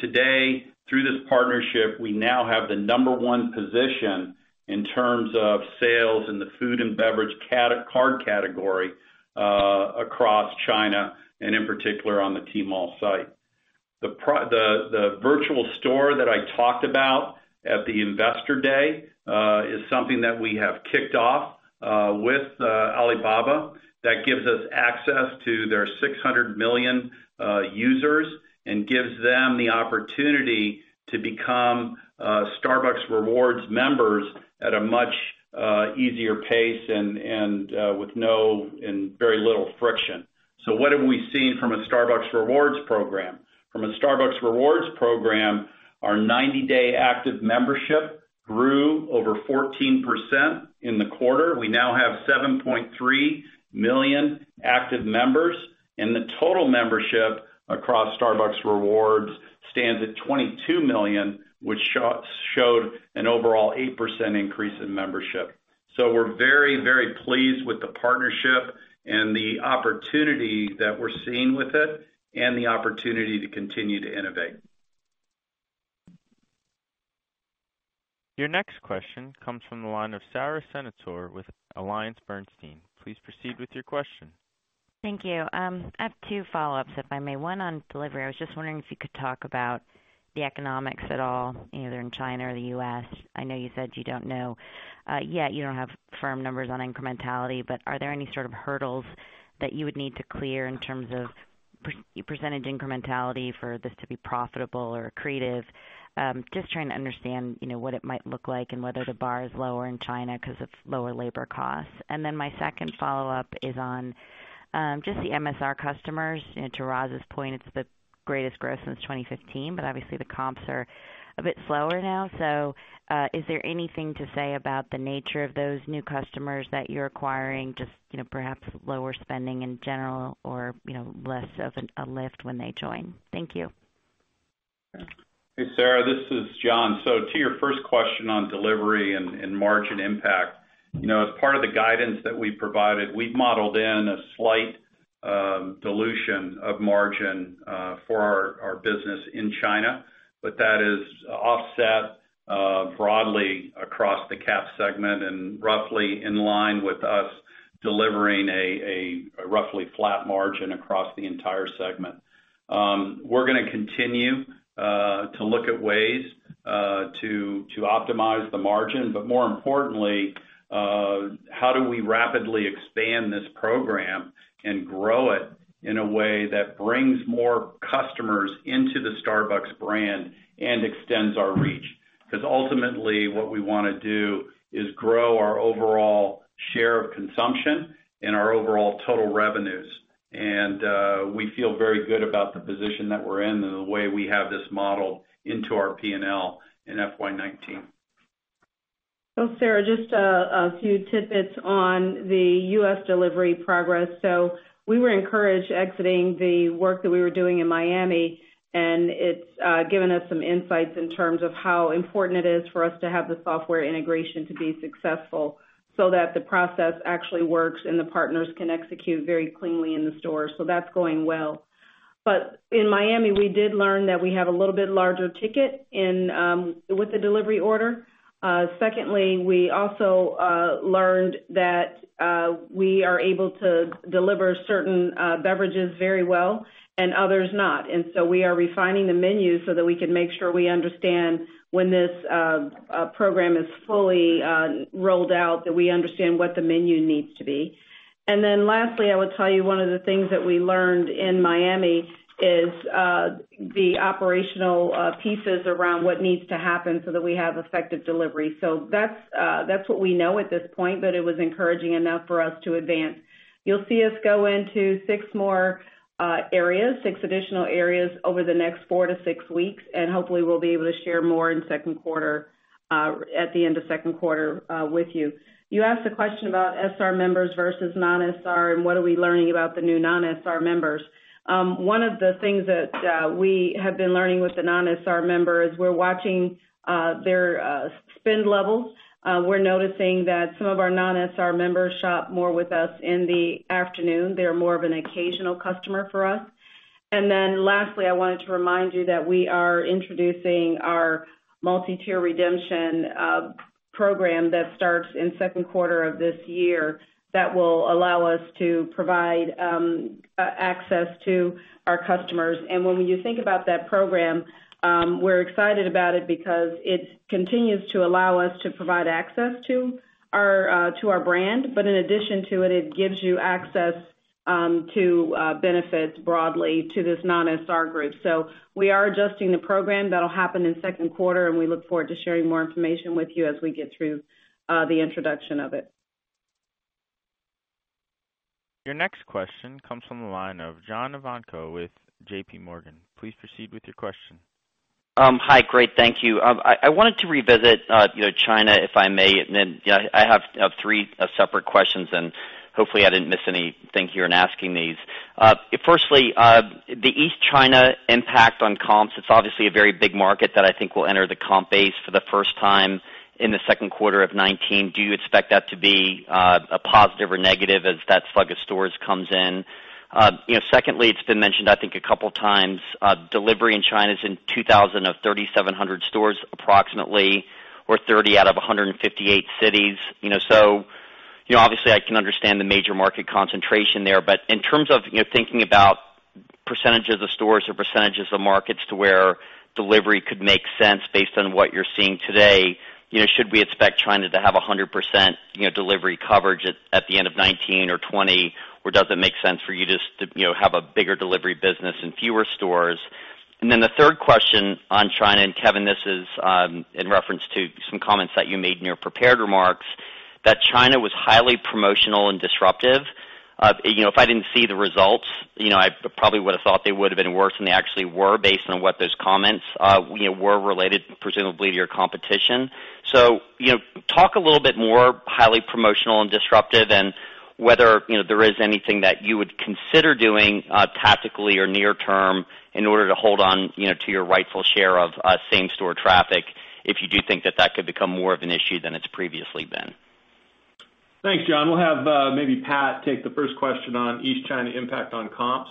Today, through this partnership, we now have the number one position in terms of sales in the food and beverage category across China, and in particular on the Tmall site. The virtual store that I talked about at the Investor Day is something that we have kicked off with Alibaba that gives us access to their 600 million users and gives them the opportunity to become Starbucks Rewards members at a much easier pace and with no and very little friction. What have we seen from a Starbucks Rewards program? From a Starbucks Rewards program, our 90-day active membership grew over 14% in the quarter. We now have 7.3 million active members, and the total membership across Starbucks Rewards stands at 22 million, which showed an overall 8% increase in membership. We're very, very pleased with the partnership and the opportunity that we're seeing with it and the opportunity to continue to innovate. Your next question comes from the line of Sara Senatore with AllianceBernstein. Please proceed with your question. Thank you. I have two follow-ups, if I may. One on delivery. I was just wondering if you could talk about the economics at all, either in China or the U.S. I know you said you don't know. Yeah, you don't have firm numbers on incrementality, but are there any sort of hurdles that you would need to clear in terms of per-percentage incrementality for this to be profitable or accretive? Just trying to understand, you know, what it might look like and whether the bar is lower in China 'cause of lower labor costs. My second follow-up is on just the MSR customers. You know, to Roz's point, it's the greatest growth since 2015, but obviously the comps are a bit slower now. Is there anything to say about the nature of those new customers that you are acquiring, just, you know, perhaps lower spending in general or, you know, less of a lift when they join? Thank you. Hey, Sara, this is John. To your first question on delivery and margin impact. You know, as part of the guidance that we provided, we've modeled in a slight dilution of margin for our business in China. That is offset broadly across the cafe segment and roughly in line with us delivering a roughly flat margin across the entire segment. We're gonna continue to look at ways to optimize the margin, but more importantly, how do we rapidly expand this program and grow it in a way that brings more customers into the Starbucks brand and extends our reach? Ultimately, what we wanna do is grow our overall share of consumption and our overall total revenues. We feel very good about the position that we're in and the way we have this model into our P&L in FY 2019. Sara, just a few tidbits on the U.S. delivery progress. We were encouraged exiting the work that we were doing in Miami, and it's given us some insights in terms of how important it is for us to have the software integration to be successful so that the process actually works, and the partners can execute very cleanly in the store. That's going well. In Miami, we did learn that we have a little bit larger ticket in with the delivery order. Secondly, we also learned that we are able to deliver certain beverages very well and others not. We are refining the menu so that we can make sure we understand when this program is fully rolled out, that we understand what the menu needs to be. Lastly, I would tell you one of the things that we learned in Miami is the operational pieces around what needs to happen so that we have effective delivery. That's, that's what we know at this point, but it was encouraging enough for us to advance. You'll see us go into six more areas, six additional areas over the next four to six weeks, and hopefully we'll be able to share more in second quarter at the end of second quarter with you. You asked a question about SR members versus non-SR, and what are we learning about the new non-SR members. One of the things that we have been learning with the non-SR members, we're watching their spend levels. We're noticing that some of our non-SR members shop more with us in the afternoon. They're more of an occasional customer for us. Lastly, I wanted to remind you that we are introducing our Multi-Tier Redemption Program that starts in second quarter of this year that will allow us to provide access to our customers. When you think about that program, we're excited about it because it continues to allow us to provide access to our brand. In addition to it gives you access to benefits broadly to this non-SR group. We are adjusting the program. That'll happen in second quarter, and we look forward to sharing more information with you as we get through the introduction of it. Your next question comes from the line of John Ivankoe with JPMorgan. Please proceed with your question. Hi. Great, thank you. I wanted to revisit, you know, China, if I may. I have three separate questions, and hopefully I didn't miss anything here in asking these. Firstly, the East China impact on comps, it's obviously a very big market that I think will enter the comp base for the first time in the second quarter of 2019. Do you expect that to be a positive or negative as that slug of stores comes in? Secondly, it's been mentioned, I think, a couple times, delivery in China's in 2,000 of 3,700 stores approximately or 30 out of 158 cities. Obviously I can understand the major market concentration there. In terms of, you know, thinking about percentage of the stores or percentages of markets to where delivery could make sense based on what you're seeing today, you know, should we expect China to have 100%, you know, delivery coverage at the end of 2019 or 2020, or does it make sense for you just to, you know, have a bigger delivery business in fewer stores? The third question on China, and Kevin, this is in reference to some comments that you made in your prepared remarks, that China was highly promotional and disruptive. You know, if I didn't see the results, you know, I probably would've thought they would've been worse than they actually were based on what those comments, you know, were related presumably to your competition. You know, talk a little bit more highly promotional and disruptive, and whether, you know, there is anything that you would consider doing, tactically or near term in order to hold on, you know, to your rightful share of same-store traffic, if you do think that that could become more of an issue than it's previously been. Thanks, John. We'll have maybe Pat take the first question on East China impact on comps.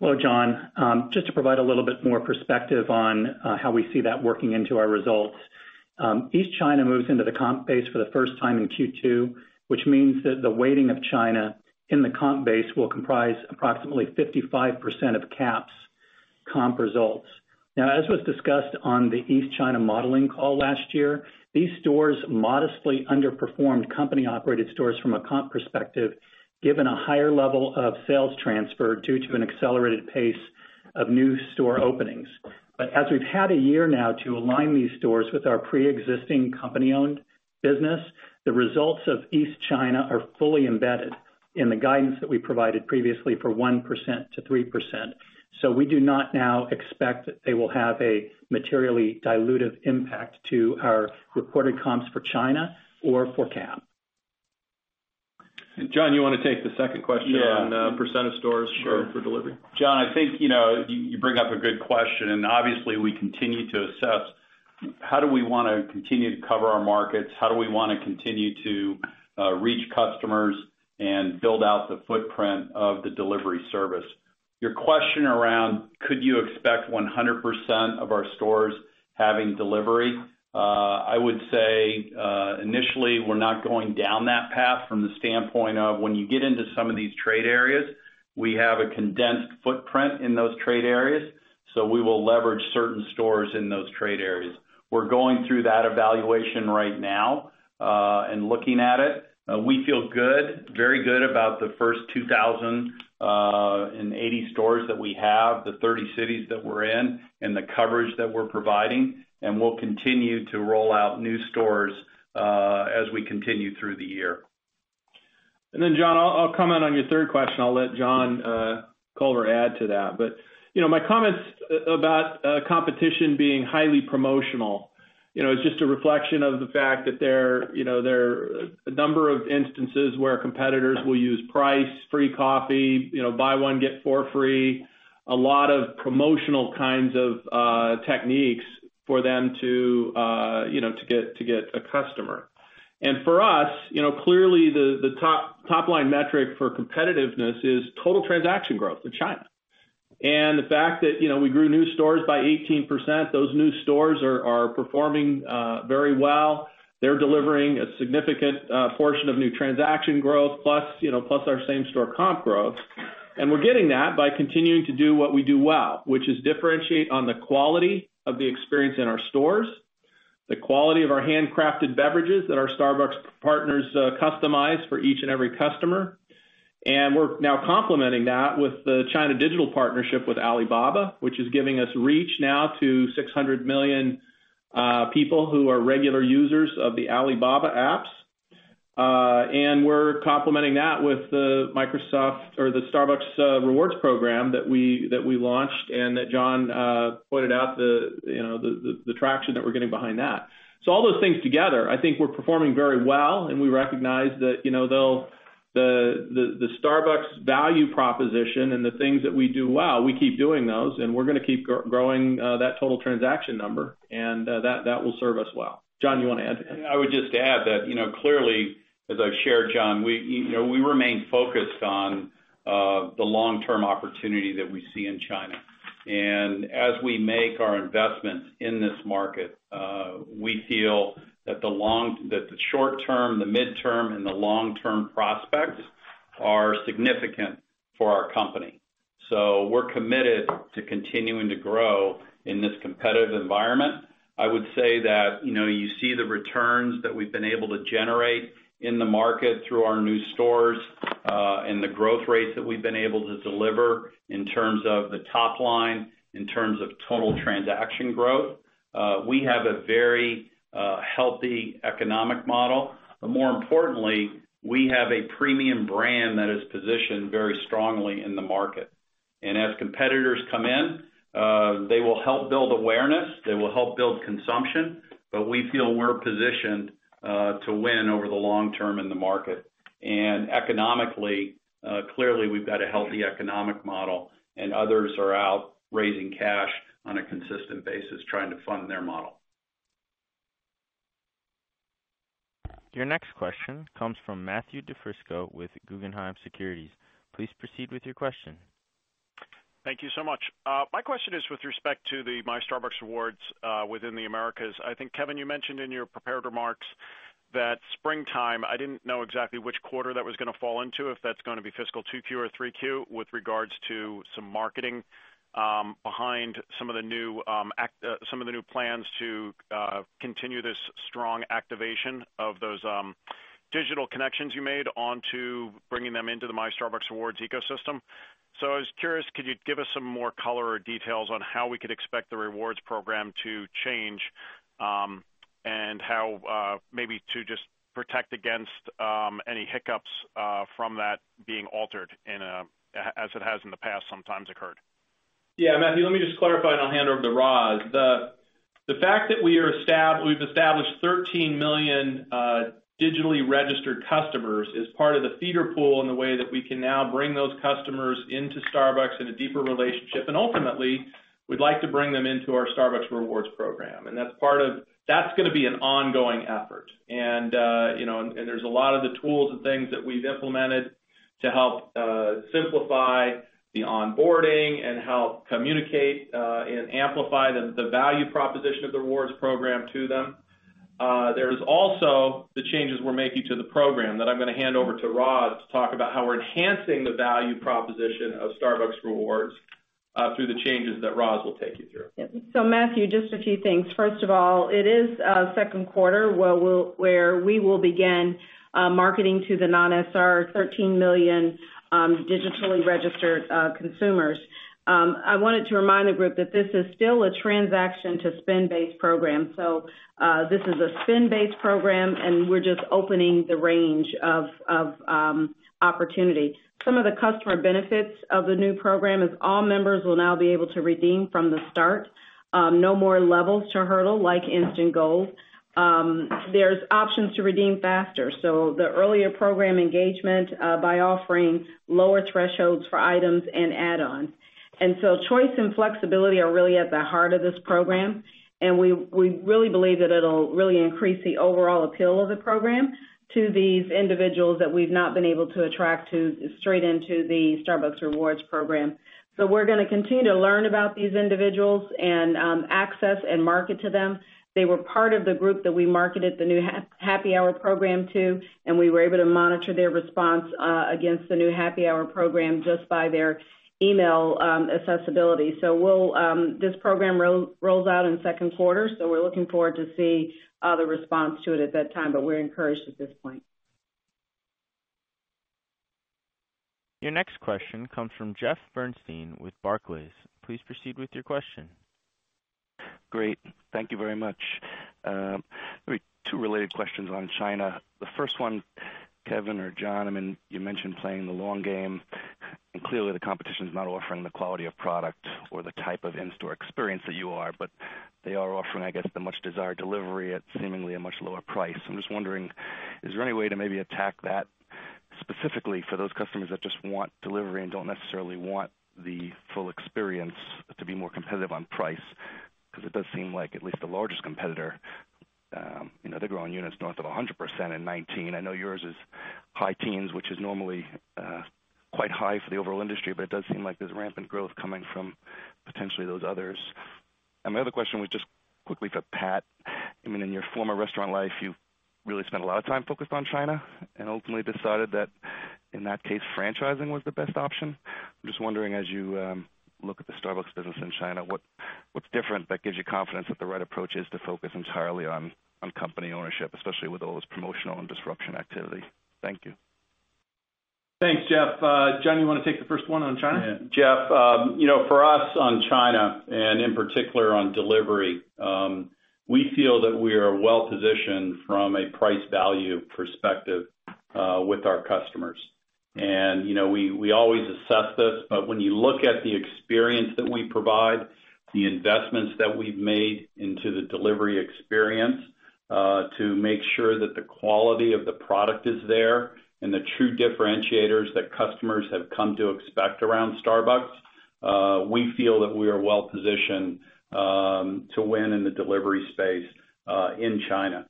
Hello, John. Just to provide a little bit more perspective on how we see that working into our results. East China moves into the comp base for the first time in Q2, which means that the weighting of China in the comp base will comprise approximately 55% of CAP's comp results. As was discussed on the East China modeling call last year, these stores modestly underperformed company-operated stores from a comp perspective, given a higher level of sales transfer due to an accelerated pace of new store openings. As we've had a year now to align these stores with our preexisting company-owned business, the results of East China are fully embedded in the guidance that we provided previously for 1%-3%. We do not now expect that they will have a materially dilutive impact to our reported comps for China or for CAP. John, you wanna take the second question? Yeah. -on, percentage stores- Sure. for delivery? John, I think, you know, you bring up a good question. Obviously, we continue to assess how do we wanna continue to cover our markets, how do we wanna continue to reach customers and build out the footprint of the delivery service. Your question around could you expect 100% of our stores having delivery, I would say, initially we're not going down that path from the standpoint of when you get into some of these trade areas, we have a condensed footprint in those trade areas, so we will leverage certain stores in those trade areas. We're going through that evaluation right now, and looking at it. We feel good, very good about the first 2,080 stores that we have, the 30 cities that we're in, and the coverage that we're providing, and we'll continue to roll out new stores, as we continue through the year. John, I'll comment on your third question. I'll let John Culver add to that. You know, my comments about competition being highly promotional, you know, it's just a reflection of the fact that there, you know, there are a number of instances where competitors will use price, free coffee, you know, buy 1, get 4 free. A lot of promotional kinds of techniques for them to, you know, to get a customer. For us, you know, clearly the top-line metric for competitiveness is total transaction growth in China. The fact that, you know, we grew new stores by 18%, those new stores are performing very well. They're delivering a significant portion of new transaction growth plus our same-store comp growth. We're getting that by continuing to do what we do well, which is differentiate on the quality of the experience in our stores, the quality of our handcrafted beverages that our Starbucks partners customize for each and every customer. We're now complementing that with the China digital partnership with Alibaba, which is giving us reach now to 600 million people who are regular users of the Alibaba apps. We're complementing that with the Microsoft or the Starbucks Rewards program that we, that we launched and that John pointed out the traction that we're getting behind that. All those things together, I think we're performing very well, and we recognize that, you know, the Starbucks value proposition and the things that we do well, we keep doing those, and we're gonna keep growing that total transaction number, and that will serve us well. John, you want to add to that? I would just add that, you know, clearly, as I've shared, John, we, you know, we remain focused on the long-term opportunity that we see in China. As we make our investments in this market, we feel that the short-term, the midterm, and the long-term prospects are significant for our company. We're committed to continuing to grow in this competitive environment. I would say that, you know, you see the returns that we've been able to generate in the market through our new stores, and the growth rates that we've been able to deliver in terms of the top line, in terms of total transaction growth. We have a very healthy economic model. More importantly, we have a premium brand that is positioned very strongly in the market. As competitors come in, they will help build awareness, they will help build consumption, but we feel we're positioned to win over the long term in the market. Economically, clearly, we've got a healthy economic model, and others are out raising cash on a consistent basis trying to fund their model. Your next question comes from Matthew DiFrisco with Guggenheim Securities. Please proceed with your question. Thank you so much. My question is with respect to the My Starbucks Rewards within the Americas. I think, Kevin, you mentioned in your prepared remarks that springtime, I didn't know exactly which quarter that was gonna fall into, if that's gonna be fiscal 2Q or 3Q with regards to some marketing behind some of the new plans to continue this strong activation of those digital connections you made onto bringing them into the My Starbucks Rewards ecosystem. I was curious, could you give us some more color or details on how we could expect the rewards program to change, and how maybe to just protect against any hiccups from that being altered as it has in the past sometimes occurred? Matthew, let me just clarify, and I'll hand over to Roz. The fact that we've established 13 million digitally registered customers is part of the feeder pool in the way that we can now bring those customers into Starbucks in a deeper relationship. Ultimately, we'd like to bring them into our Starbucks Rewards program. That's gonna be an ongoing effort. You know, there's a lot of the tools and things that we've implemented to help simplify the onboarding and help communicate and amplify the value proposition of the rewards program to them. There's also the changes we're making to the program that I'm gonna hand over to Roz to talk about how we're enhancing the value proposition of Starbucks Rewards through the changes that Roz will take you through. Matthew, just a few things. First of all, it is second quarter where we will begin marketing to the non-SR 13 million digitally registered consumers. I wanted to remind the group that this is still a transaction to spend-based program. This is a spend-based program, and we're just opening the range of opportunity. Some of the customer benefits of the new program is all members will now be able to redeem from the start. No more levels to hurdle like Instant Gold. There's options to redeem faster, so the earlier program engagement by offering lower thresholds for items and add-ons. Choice and flexibility are really at the heart of this program, and we really believe that it'll really increase the overall appeal of the program to these individuals that we've not been able to attract to straight into the Starbucks Rewards program. We're gonna continue to learn about these individuals and access and market to them. They were part of the group that we marketed the new Happy Hour program to, and we were able to monitor their response against the new Happy Hour program just by their email accessibility. We'll This program rolls out in the second quarter, so we're looking forward to see the response to it at that time. We're encouraged at this point. Your next question comes from Jeffrey Bernstein with Barclays. Please proceed with your question. Great. Thank you very much. Two related questions on China. The first one, Kevin or John, I mean, you mentioned playing the long game, and clearly, the competition is not offering the quality of product or the type of in-store experience that you are, but they are offering, I guess, the much desired delivery at seemingly a much lower price. I'm just wondering, is there any way to maybe attack that specifically for those customers that just want delivery and don't necessarily want the full experience to be more competitive on price? 'Cause it does seem like at least the largest competitor, you know, they're growing units north of 100% in '19. I know yours is high teens, which is normally quite high for the overall industry, but it does seem like there's rampant growth coming from potentially those others. My other question was just quickly for Pat. I mean, in your former restaurant life, you really spent a lot of time focused on China and ultimately decided that, in that case, franchising was the best option. I'm just wondering, as you look at the Starbucks business in China, what's different that gives you confidence that the right approach is to focus entirely on company ownership, especially with all this promotional and disruption activity? Thank you. Thanks, Jeff. John, you wanna take the first one on China? Yeah. Jeff, you know, for us on China and in particular on delivery, we feel that we are well-positioned from a price value perspective, with our customers. You know, we always assess this, but when you look at the experience that we provide, the investments that we've made into the delivery experience, to make sure that the quality of the product is there and the true differentiators that customers have come to expect around Starbucks, we feel that we are well-positioned, to win in the delivery space, in China.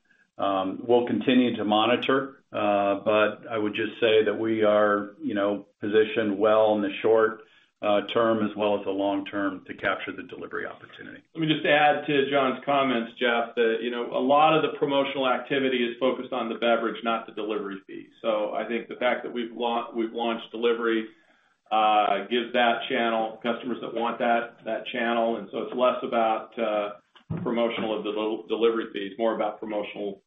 We'll continue to monitor, but I would just say that we are, you know, positioned well in the short term as well as the long term to capture the delivery opportunity. Let me just add to John's comments, Jeff, that, you know, a lot of the promotional activity is focused on the beverage, not the delivery fee. I think the fact that we've launched delivery gives that channel customers that want that channel, and it's less about promotional of the delivery fees, more about promotional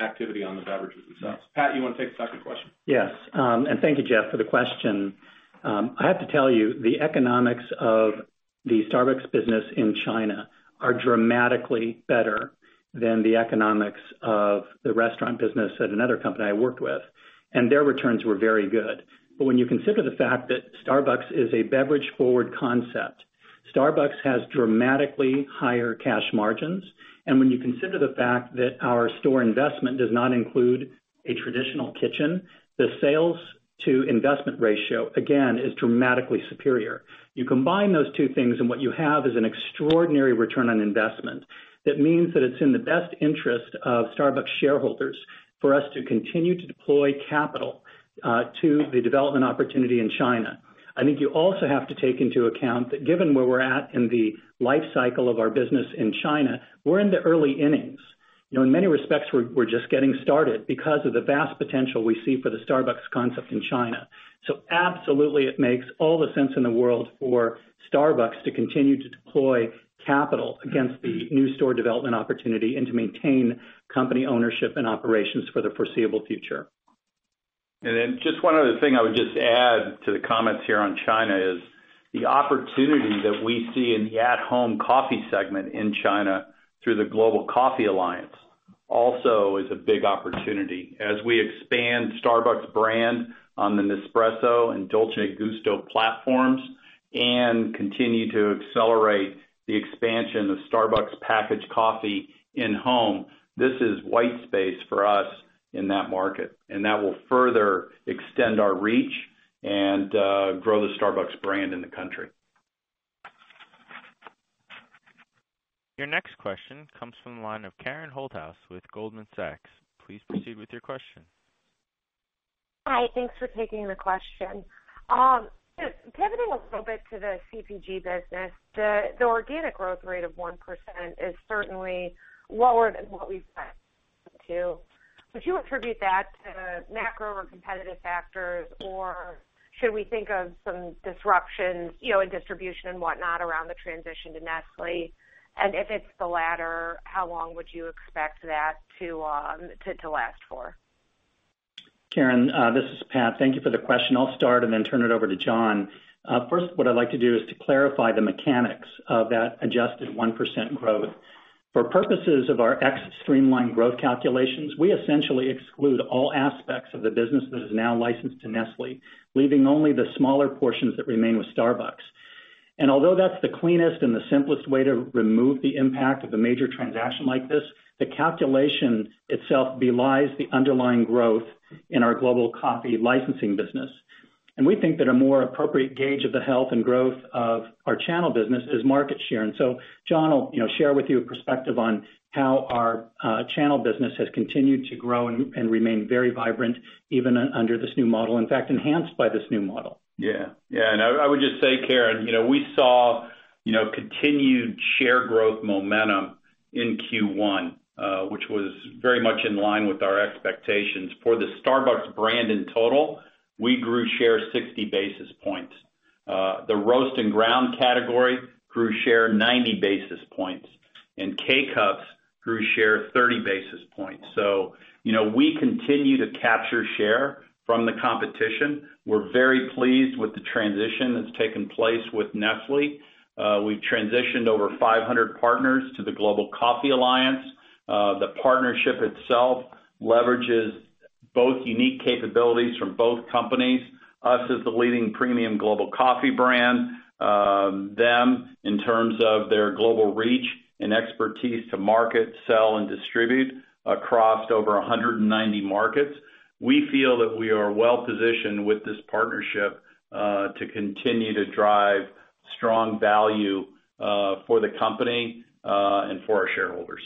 activity on the beverages themselves. Pat, you wanna take the second question? Yes, thank you, Jeff, for the question. I have to tell you, the economics of the Starbucks business in China are dramatically better than the economics of the restaurant business at another company I worked with, and their returns were very good. When you consider the fact that Starbucks is a beverage-forward concept, Starbucks has dramatically higher cash margins. When you consider the fact that our store investment does not include a traditional kitchen, the sales to investment ratio, again, is dramatically superior. You combine those two things, and what you have is an extraordinary return on investment. That means that it's in the best interest of Starbucks shareholders for us to continue to deploy capital to the development opportunity in China. I think you also have to take into account that given where we're at in the life cycle of our business in China, we're in the early innings. You know, in many respects, we're just getting started because of the vast potential we see for the Starbucks concept in China. Absolutely it makes all the sense in the world for Starbucks to continue to deploy capital against the new store development opportunity and to maintain company ownership and operations for the foreseeable future. Just one other thing I would just add to the comments here on China is the opportunity that we see in the at-home coffee segment in China through the Global Coffee Alliance also is a big opportunity. As we expand Starbucks brand on the Nespresso and Dolce Gusto platforms and continue to accelerate the expansion of Starbucks packaged coffee in home, this is white space for us in that market, and that will further extend our reach and grow the Starbucks brand in the country. Your next question comes from the line of Karen Holthouse with Goldman Sachs. Please proceed with your question. Hi. Thanks for taking the question. Just pivoting a little bit to the CPG business, the organic growth rate of 1% is certainly lower than what we've seen too. Would you attribute that to macro or competitive factors, or should we think of some disruption, you know, in distribution and whatnot around the transition to Nestlé? If it's the latter, how long would you expect that to last for? Karen, this is Pat. Thank you for the question. I'll start and then turn it over to John. First, what I'd like to do is to clarify the mechanics of that adjusted 1% growth. For purposes of our ex-Streamline growth calculations, we essentially exclude all aspects of the business that is now licensed to Nestlé, leaving only the smaller portions that remain with Starbucks. Although that's the cleanest and the simplest way to remove the impact of a major transaction like this, the calculation itself belies the underlying growth in our global coffee licensing business. We think that a more appropriate gauge of the health and growth of our channel business is market share. John will, you know, share with you a perspective on how our channel business has continued to grow and remain very vibrant even under this new model, in fact, enhanced by this new model. Yeah. Yeah. I would just say, Karen, we saw continued share growth momentum in Q1, which was very much in line with our expectations. For the Starbucks brand in total, we grew share 60 basis points. The roast and ground category grew share 90 basis points. K-Cup grew share 30 basis points. We continue to capture share from the competition. We're very pleased with the transition that's taken place with Nestlé. We transitioned over 500 partners to the Global Coffee Alliance. The partnership itself leverages both unique capabilities from both companies. Us as the leading premium global coffee brand, them in terms of their global reach and expertise to market, sell, and distribute across over 190 markets. We feel that we are well-positioned with this partnership, to continue to drive strong value, for the company, and for our shareholders.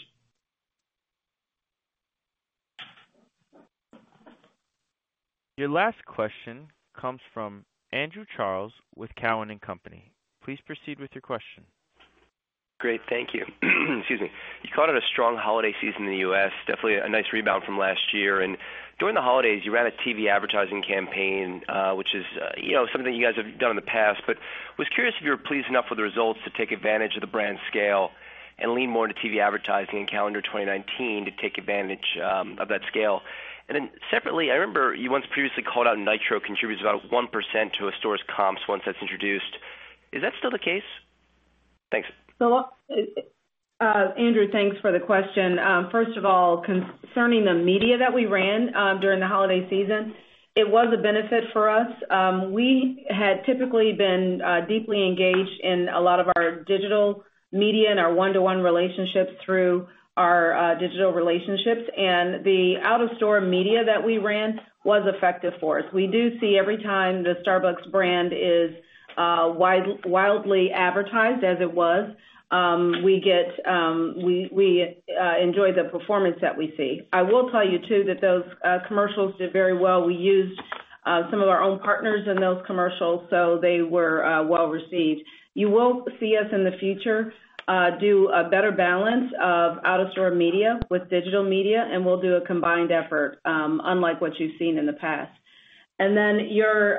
Your last question comes from Andrew Charles with Cowen and Company. Please proceed with your question. Great, thank you. Excuse me. You called it a strong holiday season in the U.S., definitely a nice rebound from last year. During the holidays, you ran a TV advertising campaign, which is something you guys have done in the past, but was curious if you were pleased enough with the results to take advantage of the brand scale and lean more into TV advertising in calendar 2019 to take advantage of that scale. Separately, I remember you once previously called out Nitro contributes about 1% to a store's comps once that's introduced. Is that still the case? Thanks. Andrew, thanks for the question. First of all, concerning the media that we ran during the holiday season, it was a benefit for us. We had typically been deeply engaged in a lot of our digital media and our one-to-one relationships through our digital relationships. The out of store media that we ran was effective for us. We do see every time the Starbucks brand is widely advertised, as it was, we get, we enjoy the performance that we see. I will tell you, too, that those commercials did very well. We used some of our own partners in those commercials, so they were well-received. You will see us, in the future, do a better balance of out of store media with digital media, we'll do a combined effort, unlike what you've seen in the past. Then your,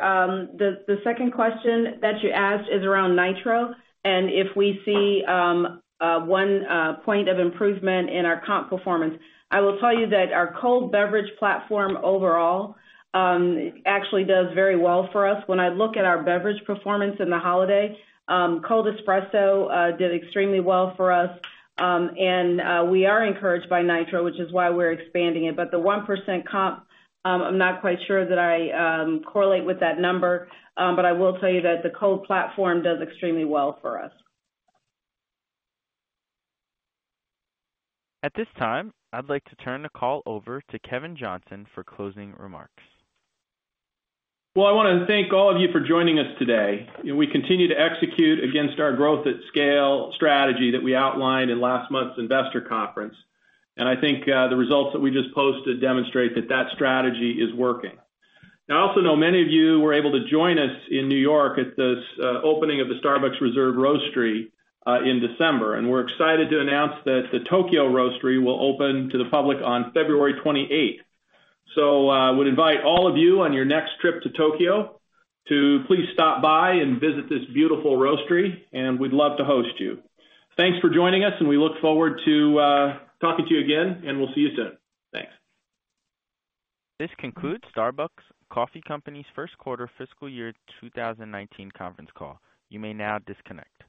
the second question that you asked is around Nitro and if we see 1 point of improvement in our comp performance. I will tell you that our cold beverage platform overall actually does very well for us. When I look at our beverage performance in the holiday, cold espresso did extremely well for us. We are encouraged by Nitro, which is why we're expanding it. The 1% comp, I'm not quite sure that I correlate with that number, I will tell you that the cold platform does extremely well for us. At this time, I'd like to turn the call over to Kevin Johnson for closing remarks. Well, I want to thank all of you for joining us today. We continue to execute against our Growth at Scale strategy that we outlined in last month's investor conference. I think the results that we just posted demonstrate that that strategy is working. I also know many of you were able to join us in New York at the opening of the Starbucks Reserve Roastery in December. We're excited to announce that the Tokyo Roastery will open to the public on February 28th. Would invite all of you on your next trip to Tokyo to please stop by and visit this beautiful roastery, and we'd love to host you. Thanks for joining us, and we look forward to talking to you again, and we'll see you soon. Thanks. This concludes Starbucks Coffee Company's first quarter fiscal year 2019 conference call.